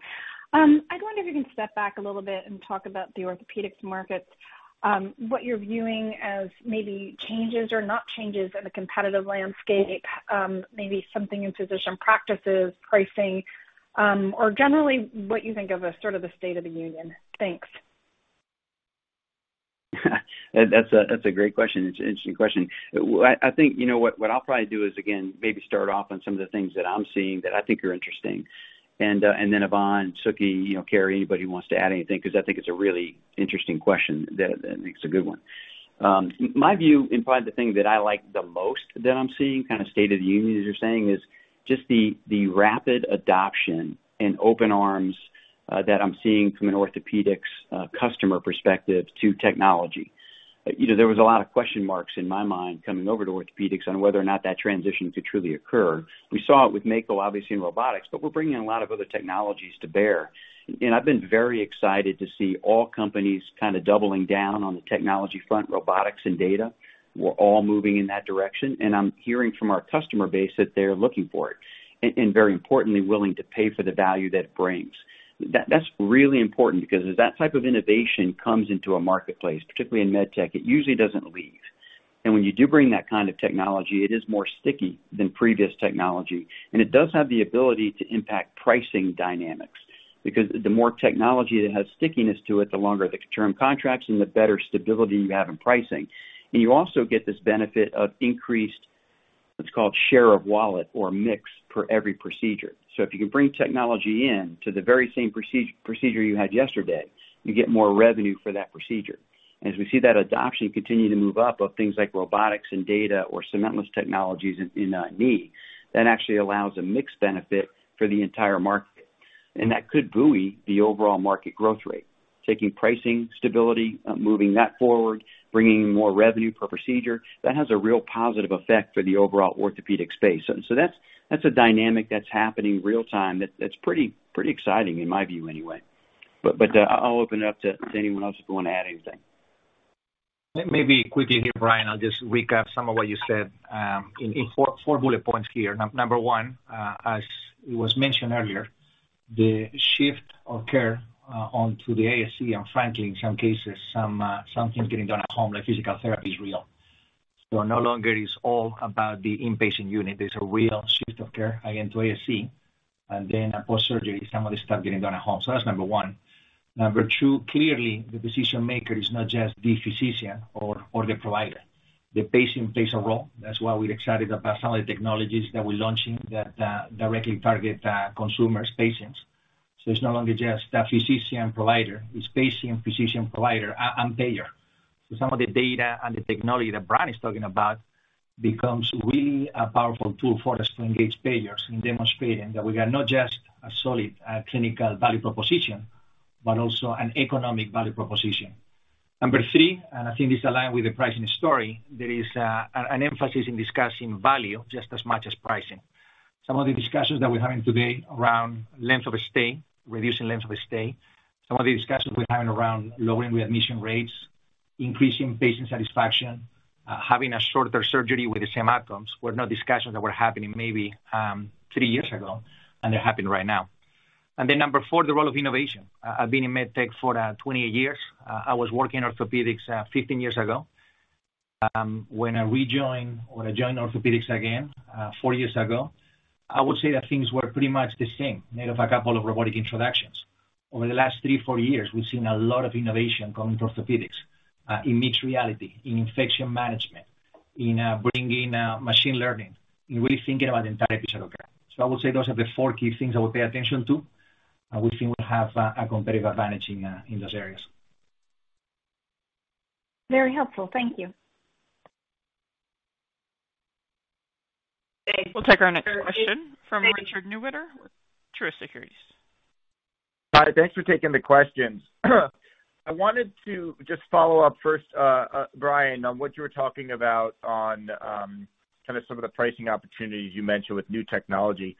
I wonder if you can step back a little bit and talk about the orthopedics markets, what you're viewing as maybe changes or not changes in the competitive landscape, maybe something in physician practices, pricing, or generally what you think of as sort of the state of the union. Thanks. That's a great question. It's an interesting question. I think, you know, what I'll probably do is, again, maybe start off on some of the things that I'm seeing that I think are interesting. Then Ivan, Suky, you know, Keri, anybody who wants to add anything because I think it's a really interesting question that makes a good one. My view and probably the thing that I like the most that I'm seeing, kind of state of the union, as you're saying, is just the rapid adoption and open arms that I'm seeing from an orthopedics customer perspective to technology. You know, there was a lot of question marks in my mind coming over to orthopedics on whether or not that transition could truly occur. We saw it with Mako, obviously in robotics, but we're bringing a lot of other technologies to bear. I've been very excited to see all companies kind of doubling down on the technology front, robotics and data. We're all moving in that direction. I'm hearing from our customer base that they're looking for it, and very importantly, willing to pay for the value that it brings. That's really important because if that type of innovation comes into a marketplace, particularly in med tech, it usually doesn't leave. When you do bring that kind of technology, it is more sticky than previous technology. It does have the ability to impact pricing dynamics. Because the more technology that has stickiness to it, the longer the term contracts and the better stability you have in pricing. You also get this benefit of increased, it's called share of wallet or mix per every procedure. If you can bring technology in to the very same procedure you had yesterday, you get more revenue for that procedure. As we see that adoption continue to move up of things like robotics and data or cementless technologies in knee, that actually allows a mix benefit for the entire market. That could buoy the overall market growth rate, taking pricing stability, moving that forward, bringing more revenue per procedure. That has a real positive effect for the overall orthopedic space. That's a dynamic that's happening real-time that's pretty exciting in my view anyway. I'll open it up to anyone else if they want to add anything. Maybe quickly here, Bryan, I'll just recap some of what you said in 4 bullet points here. Number 1, as it was mentioned earlier, the shift of care onto the ASC, and frankly, in some cases, some things getting done at home, like physical therapy is real. No longer is all about the inpatient unit. There's a real shift of care, again, to ASC. Then post-surgery, some of the stuff getting done at home. That's number 1. Number 2, clearly, the decision maker is not just the physician or the provider. The patient plays a role. That's why we're excited about some of the technologies that we're launching that directly target consumers, patients. It's no longer just the physician, provider. It's patient, physician, provider and payer. Some of the data and the technology that Bryan is talking about becomes really a powerful tool for us to engage payers in demonstrating that we are not just a solid, clinical value proposition, but also an economic value proposition. Number 3, I think this align with the pricing story, there is an emphasis in discussing value just as much as pricing. Some of the discussions that we're having today around length of stay, reducing length of stay, some of the discussions we're having around lowering readmission rates, increasing patient satisfaction, having a shorter surgery with the same outcomes were not discussions that were happening maybe 3 years ago, and they're happening right now. Number 4, the role of innovation. I've been in med tech for 28 years. I was working in orthopedics 15 years ago. When I joined orthopedics again 4 years ago, I would say that things were pretty much the same, aside from a couple of robotic introductions. Over the last 3-4 years, we've seen a lot of innovation coming to orthopedics in mixed reality, in infection management, in bringing machine learning, in really thinking about the entire episode of care. I would say those are the 4 key things I would pay attention to. I would think we have a competitive advantage in those areas. Very helpful. Thank you. We'll take our next question from Richard Newitter with Truist Securities. Thanks for taking the questions. I wanted to just follow up first, Bryan, on what you were talking about on kinda some of the pricing opportunities you mentioned with new technology,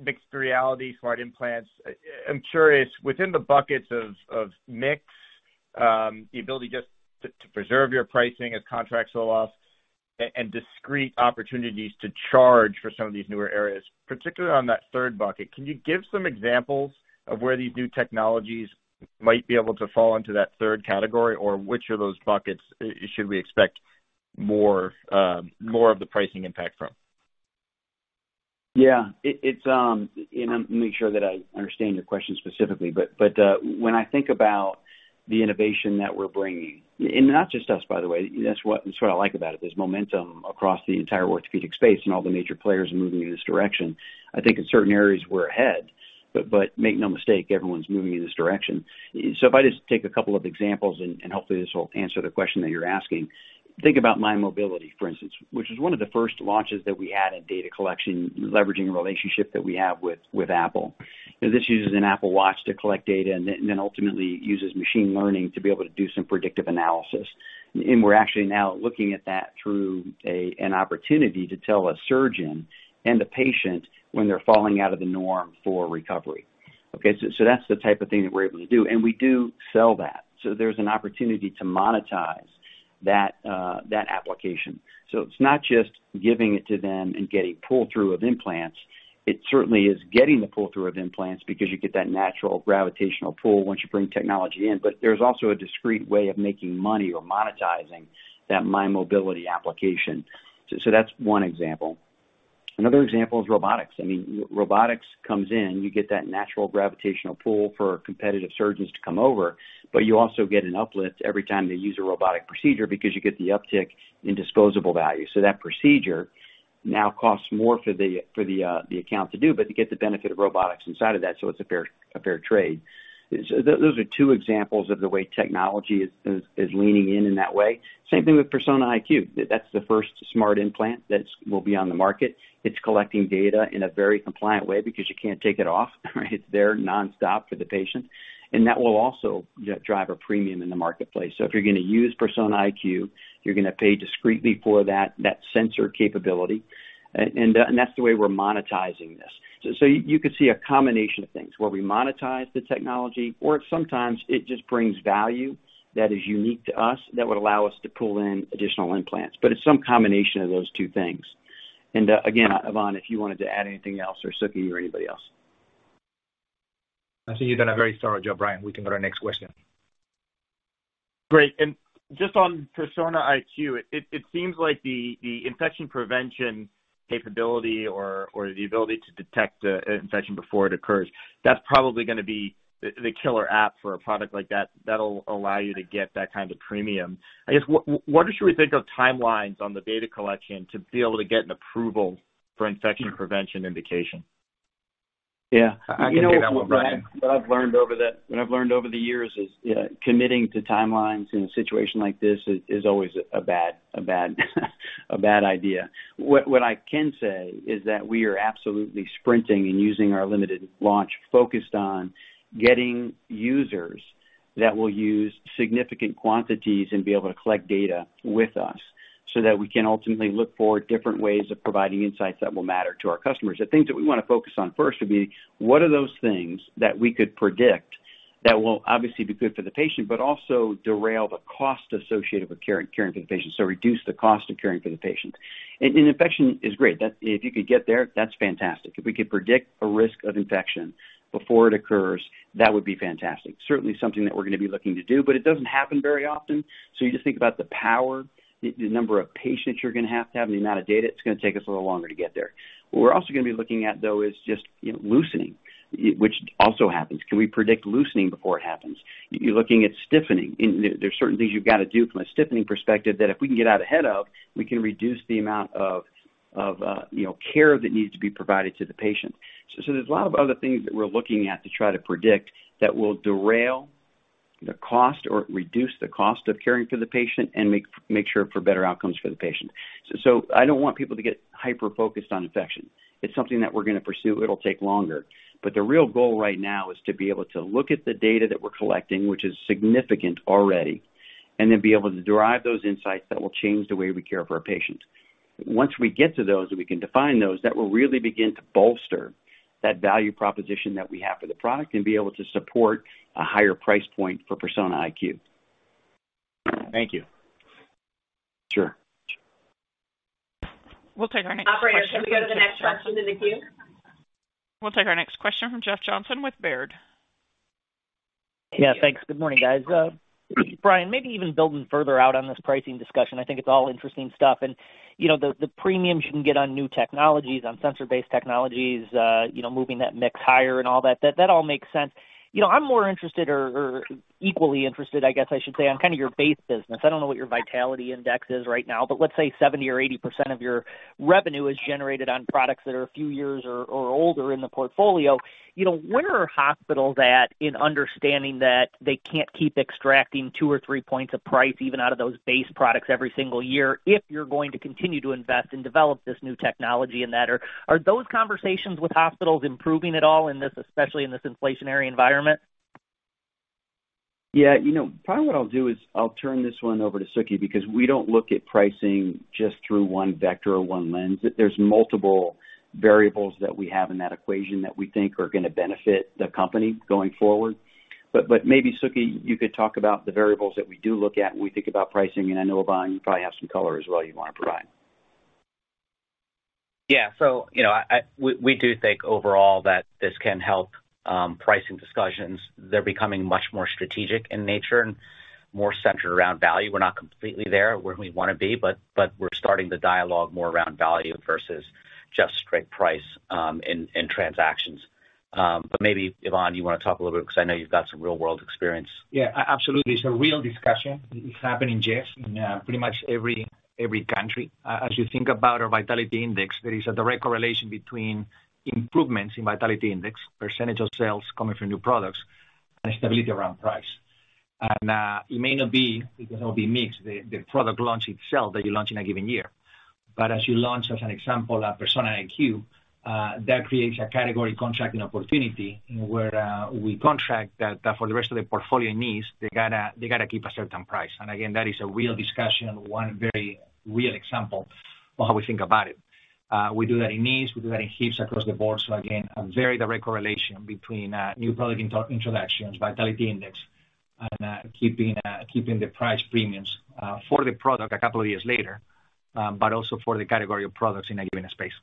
mixed reality, smart implants. I'm curious, within the buckets of mix, the ability just to preserve your pricing as contracts roll off and discrete opportunities to charge for some of these newer areas, particularly on that third bucket, can you give some examples of where these new technologies might be able to fall into that third category? Or which of those buckets should we expect more of the pricing impact from? Yeah. I'm making sure that I understand your question specifically, but when I think about the innovation that we're bringing, and not just us, by the way. That's what I like about it. There's momentum across the entire orthopedic space, and all the major players are moving in this direction. I think in certain areas, we're ahead. Make no mistake, everyone's moving in this direction. If I just take a couple of examples, and hopefully this will answer the question that you're asking. Think about mymobility, for instance, which is one of the first launches that we had in data collection, leveraging a relationship that we have with Apple. This uses an Apple Watch to collect data and then ultimately uses machine learning to be able to do some predictive analysis. We're actually now looking at that through an opportunity to tell a surgeon and a patient when they're falling out of the norm for recovery. Okay, that's the type of thing that we're able to do, and we do sell that. There's an opportunity to monetize that application. It's not just giving it to them and getting pull-through of implants. It certainly is getting the pull-through of implants because you get that natural gravitational pull once you bring technology in, but there's also a discrete way of making money or monetizing that mymobility application. That's 1 example. Another example is robotics. I mean, robotics comes in, you get that natural gravitational pull for competitive surgeons to come over, but you also get an uplift every time they use a robotic procedure because you get the uptick in disposable value. That procedure now costs more for the account to do, but you get the benefit of robotics inside of that, so it's a fair trade. Those are 2 examples of the way technology is leaning in that way. Same thing with Persona IQ. That's the first smart implant that'll be on the market. It's collecting data in a very compliant way because you can't take it off, right? It's there nonstop for the patient. That will also drive a premium in the marketplace. If you're gonna use Persona IQ, you're gonna pay discretely for that sensor capability. That's the way we're monetizing this. You could see a combination of things where we monetize the technology, or sometimes it just brings value that is unique to us that would allow us to pull in additional implants. It's some combination of those 2 things. Again, Ivan, if you wanted to add anything else, or Suky or anybody else. I think you've done a very thorough job, Bryan. We can go to our next question. Great. Just on Persona IQ, it seems like the infection prevention capability or the ability to detect an infection before it occurs, that's probably gonna be the killer app for a product like that'll allow you to get that kind of premium. I guess, what should we think of timelines on the data collection to be able to get an approval for infection prevention indication? Yeah. I can take that one, Bryan. What I've learned over the years is, you know, committing to timelines in a situation like this is always a bad idea. What I can say is that we are absolutely sprinting and using our limited launch focused on getting users that will use significant quantities and be able to collect data with us so that we can ultimately look for different ways of providing insights that will matter to our customers. The things that we wanna focus on first would be what are those things that we could predict that will obviously be good for the patient, but also reduce the cost associated with caring for the patient, so reduce the cost of caring for the patient. An infection is great. That's. If you could get there, that's fantastic. If we could predict a risk of infection before it occurs, that would be fantastic. Certainly something that we're gonna be looking to do, but it doesn't happen very often, so you just think about the power, the number of patients you're gonna have to have, the amount of data, it's gonna take us a little longer to get there. What we're also gonna be looking at, though, is just, you know, loosening, which also happens. Can we predict loosening before it happens? You're looking at stiffening. There, there's certain things you've got to do from a stiffening perspective that if we can get out ahead of, we can reduce the amount of, you know, care that needs to be provided to the patient. There's a lot of other things that we're looking at to try to predict that will derail the cost or reduce the cost of caring for the patient and make sure for better outcomes for the patient. I don't want people to get hyper-focused on infection. It's something that we're gonna pursue. It'll take longer. The real goal right now is to be able to look at the data that we're collecting, which is significant already, and then be able to derive those insights that will change the way we care for our patients. Once we get to those and we can define those, that will really begin to bolster that value proposition that we have for the product and be able to support a higher price point for Persona IQ. Thank you. Sure. We'll take our next question. Operator, can we go to the next question in the queue? We'll take our next question from Jeff Johnson with Baird. Yeah, thanks. Good morning, guys. Bryan, maybe even building further out on this pricing discussion, I think it's all interesting stuff. You know, the premiums you can get on new technologies, on sensor-based technologies, you know, moving that mix higher and all that all makes sense. You know, I'm more interested or equally interested, I guess I should say, on kind of your base business. I don't know what your vitality index is right now, but let's say 70% or 80% of your revenue is generated on products that are a few years or older in the portfolio. You know, where are hospitals at in understanding that they can't keep extracting 2 or 3 points of price even out of those base products every single year if you're going to continue to invest and develop this new technology in that? Are those conversations with hospitals improving at all in this, especially in this inflationary environment? Yeah. You know, probably what I'll do is I'll turn this one over to Suky because we don't look at pricing just through 1 vector or 1 lens. There's multiple variables that we have in that equation that we think are gonna benefit the company going forward. Maybe, Suky, you could talk about the variables that we do look at when we think about pricing, and I know, Ivan, you probably have some color as well you wanna provide. Yeah. We do think overall that this can help pricing discussions. They're becoming much more strategic in nature and more centered around value. We're not completely there where we wanna be, but we're starting the dialogue more around value versus just straight price in transactions. But maybe, Ivan, you wanna talk a little bit, because I know you've got some real-world experience. Yeah, absolutely. It's a real discussion. It's happening, Jeff, in pretty much every country. As you think about our vitality index, there is a direct correlation between improvements in vitality index, percentage of sales coming from new products, and stability around price. It may not be, it can all be mixed, the product launch itself that you launch in a given year. As you launch, as an example, a Persona IQ, that creates a category contracting opportunity where we contract that for the rest of the portfolio needs, they gotta keep a certain price. Again, that is a real discussion, 1 very real example of how we think about it. We do that in knees, we do that in hips across the board. Again, a very direct correlation between new product introductions, vitality index, and keeping the price premiums for the product a couple of years later, but also for the category of products in a given space.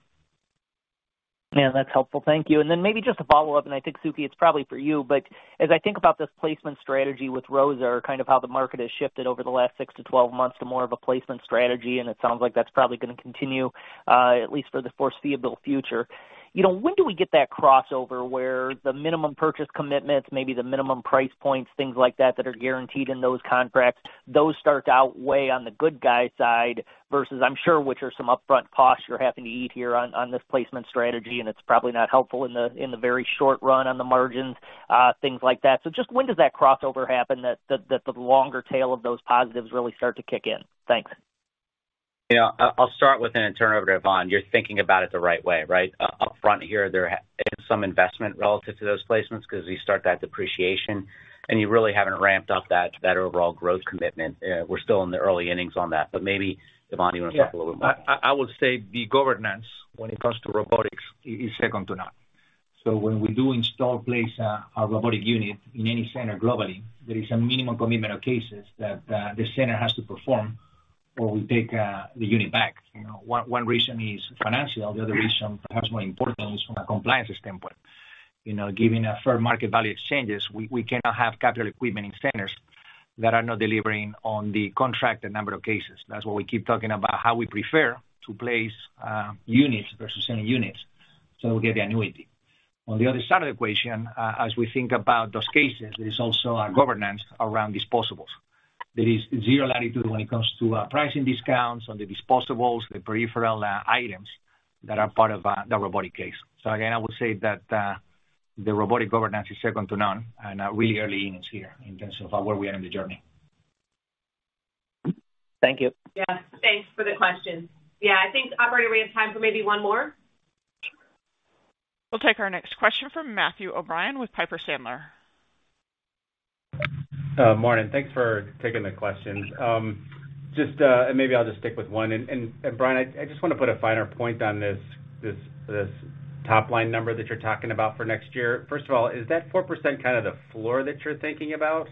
Yeah, that's helpful. Thank you. Maybe just a follow-up, and I think, Suky, it's probably for you, but as I think about this placement strategy with ROSA or kind of how the market has shifted over the last 6-12 months to more of a placement strategy, and it sounds like that's probably gonna continue, at least for the foreseeable future. You know, when do we get that crossover where the minimum purchase commitments, maybe the minimum price points, things like that are guaranteed in those contracts, those start to outweigh on the good guy side versus I'm sure which are some upfront costs you're having to eat here on this placement strategy, and it's probably not helpful in the very short run on the margins, things like that. Just when does that crossover happen that the longer tail of those positives really start to kick in? Thanks. Yeah. I'll start with it and turn it over to Ivan. You're thinking about it the right way, right? Upfront here, there is some investment relative to those placements 'cause you start that depreciation and you really haven't ramped up that overall growth commitment. We're still in the early innings on that, but maybe Ivan, you wanna talk a little more. Yeah. I would say the governance when it comes to robotics is second to none. When we do install, place a robotic unit in any center globally, there is a minimum commitment of cases that the center has to perform or we take the unit back. You know, 1 reason is financial. The other reason, perhaps more importantly, is from a compliance standpoint. You know, giving a fair market value exchanges, we cannot have capital equipment in centers that are not delivering on the contracted number of cases. That's why we keep talking about how we prefer to place units versus sending units, so we get the annuity. On the other side of the equation, as we think about those cases, there is also a governance around disposables. There is 0 latitude when it comes to pricing discounts on the disposables, the peripheral items that are part of the robotic case. Again, I would say that the robotic governance is second to none and really early innings here in terms of where we are in the journey. Thank you. Yeah. Thanks for the question. Yeah. I think, operator, we have time for maybe 1 more. We'll take our next question from Matthew O'Brien with Piper Sandler. Morning. Thanks for taking the questions. Just maybe I'll just stick with 1, and Bryan, I just wanna put a finer point on this top line number that you're talking about for next year. First of all, is that 4% kind of the floor that you're thinking about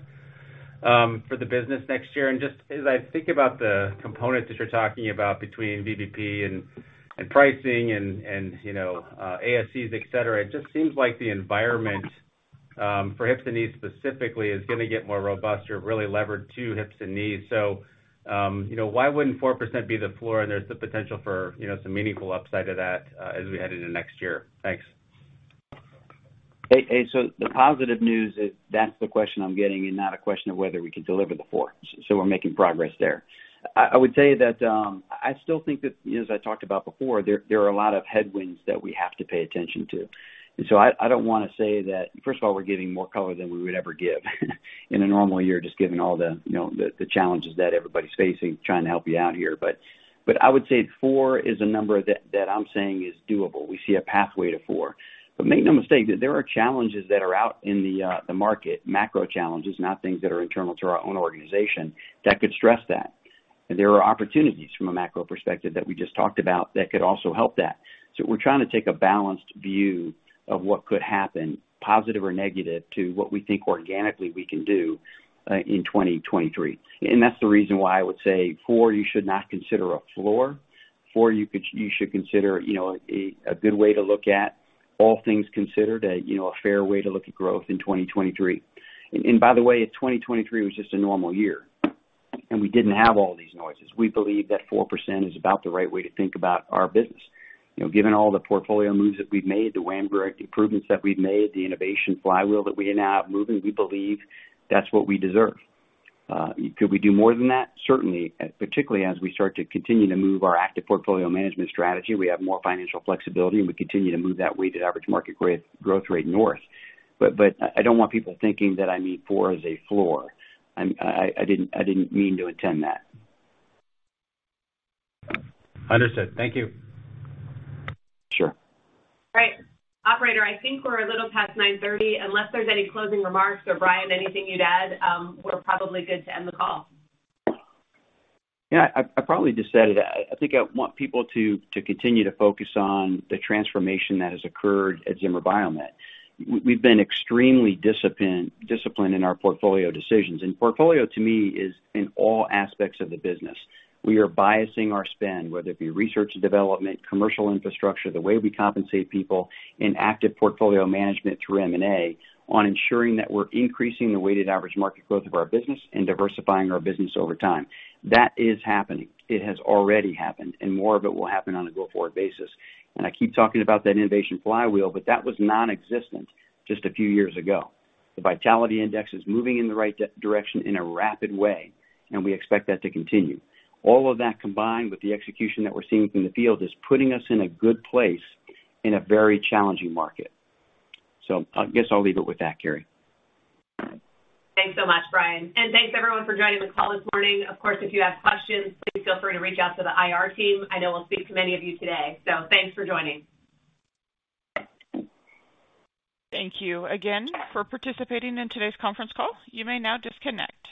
for the business next year? Just as I think about the components that you're talking about between VBP and pricing and, you know, ASCs, et cetera, it just seems like the environment for hips and knees specifically is gonna get more robust. You're really levered to hips and knees. Yyou know, why wouldn't 4% be the floor and there's the potential for, you know, some meaningful upside to that, as we head into next year? Thanks. Hey, hey, the positive news is that's the question I'm getting and not a question of whether we can deliver the 4. We're making progress there. I would tell you that I still think that, you know, as I talked about before, there are a lot of headwinds that we have to pay attention to. I don't wanna say that, first of all, we're giving more color than we would ever give in a normal year, just given all the, you know, the challenges that everybody's facing, trying to help you out here. I would say 4 is a number that I'm saying is doable. We see a pathway to 4. Make no mistake that there are challenges that are out in the market, macro challenges, not things that are internal to our own organization that could stress that. There are opportunities from a macro perspective that we just talked about that could also help that. We're trying to take a balanced view of what could happen, positive or negative, to what we think organically we can do in 2023. That's the reason why I would say for you should not consider a floor. For you should consider, you know, a good way to look at all things considered, a fair way to look at growth in 2023. By the way, if 2023 was just a normal year, and we didn't have all these noises, we believe that 4% is about the right way to think about our business. You know, given all the portfolio moves that we've made, the WAMGR-directed improvements that we've made, the innovation flywheel that we now have moving, we believe that's what we deserve. Could we do more than that? Certainly, particularly as we start to continue to move our active portfolio management strategy, we have more financial flexibility, and we continue to move that weighted average market growth rate north. I don't want people thinking that I mean 4 as a floor. I didn't mean to intend that. Understood. Thank you. Sure. All right. Operator, I think we're a little past 9:30. Unless there's any closing remarks or Bryan, anything you'd add, we're probably good to end the call. Yeah. I probably just said it. I think I want people to continue to focus on the transformation that has occurred at Zimmer Biomet. We've been extremely disciplined in our portfolio decisions. Portfolio to me is in all aspects of the business. We are biasing our spend, whether it be research and development, commercial infrastructure, the way we compensate people in active portfolio management through M&A on ensuring that we're increasing the weighted average market growth of our business and diversifying our business over time. That is happening. It has already happened, and more of it will happen on a go-forward basis. I keep talking about that innovation flywheel, but that was nonexistent just a few years ago. The vitality index is moving in the right direction in a rapid way, and we expect that to continue. All of that combined with the execution that we're seeing from the field is putting us in a good place in a very challenging market. I guess I'll leave it with that, Keri. Thanks so much, Bryan. Thanks everyone for joining the call this morning. Of course, if you have questions, please feel free to reach out to the IR team. I know we'll speak to many of you today. Thanks for joining. Thank you again for participating in today's conference call. You may now disconnect.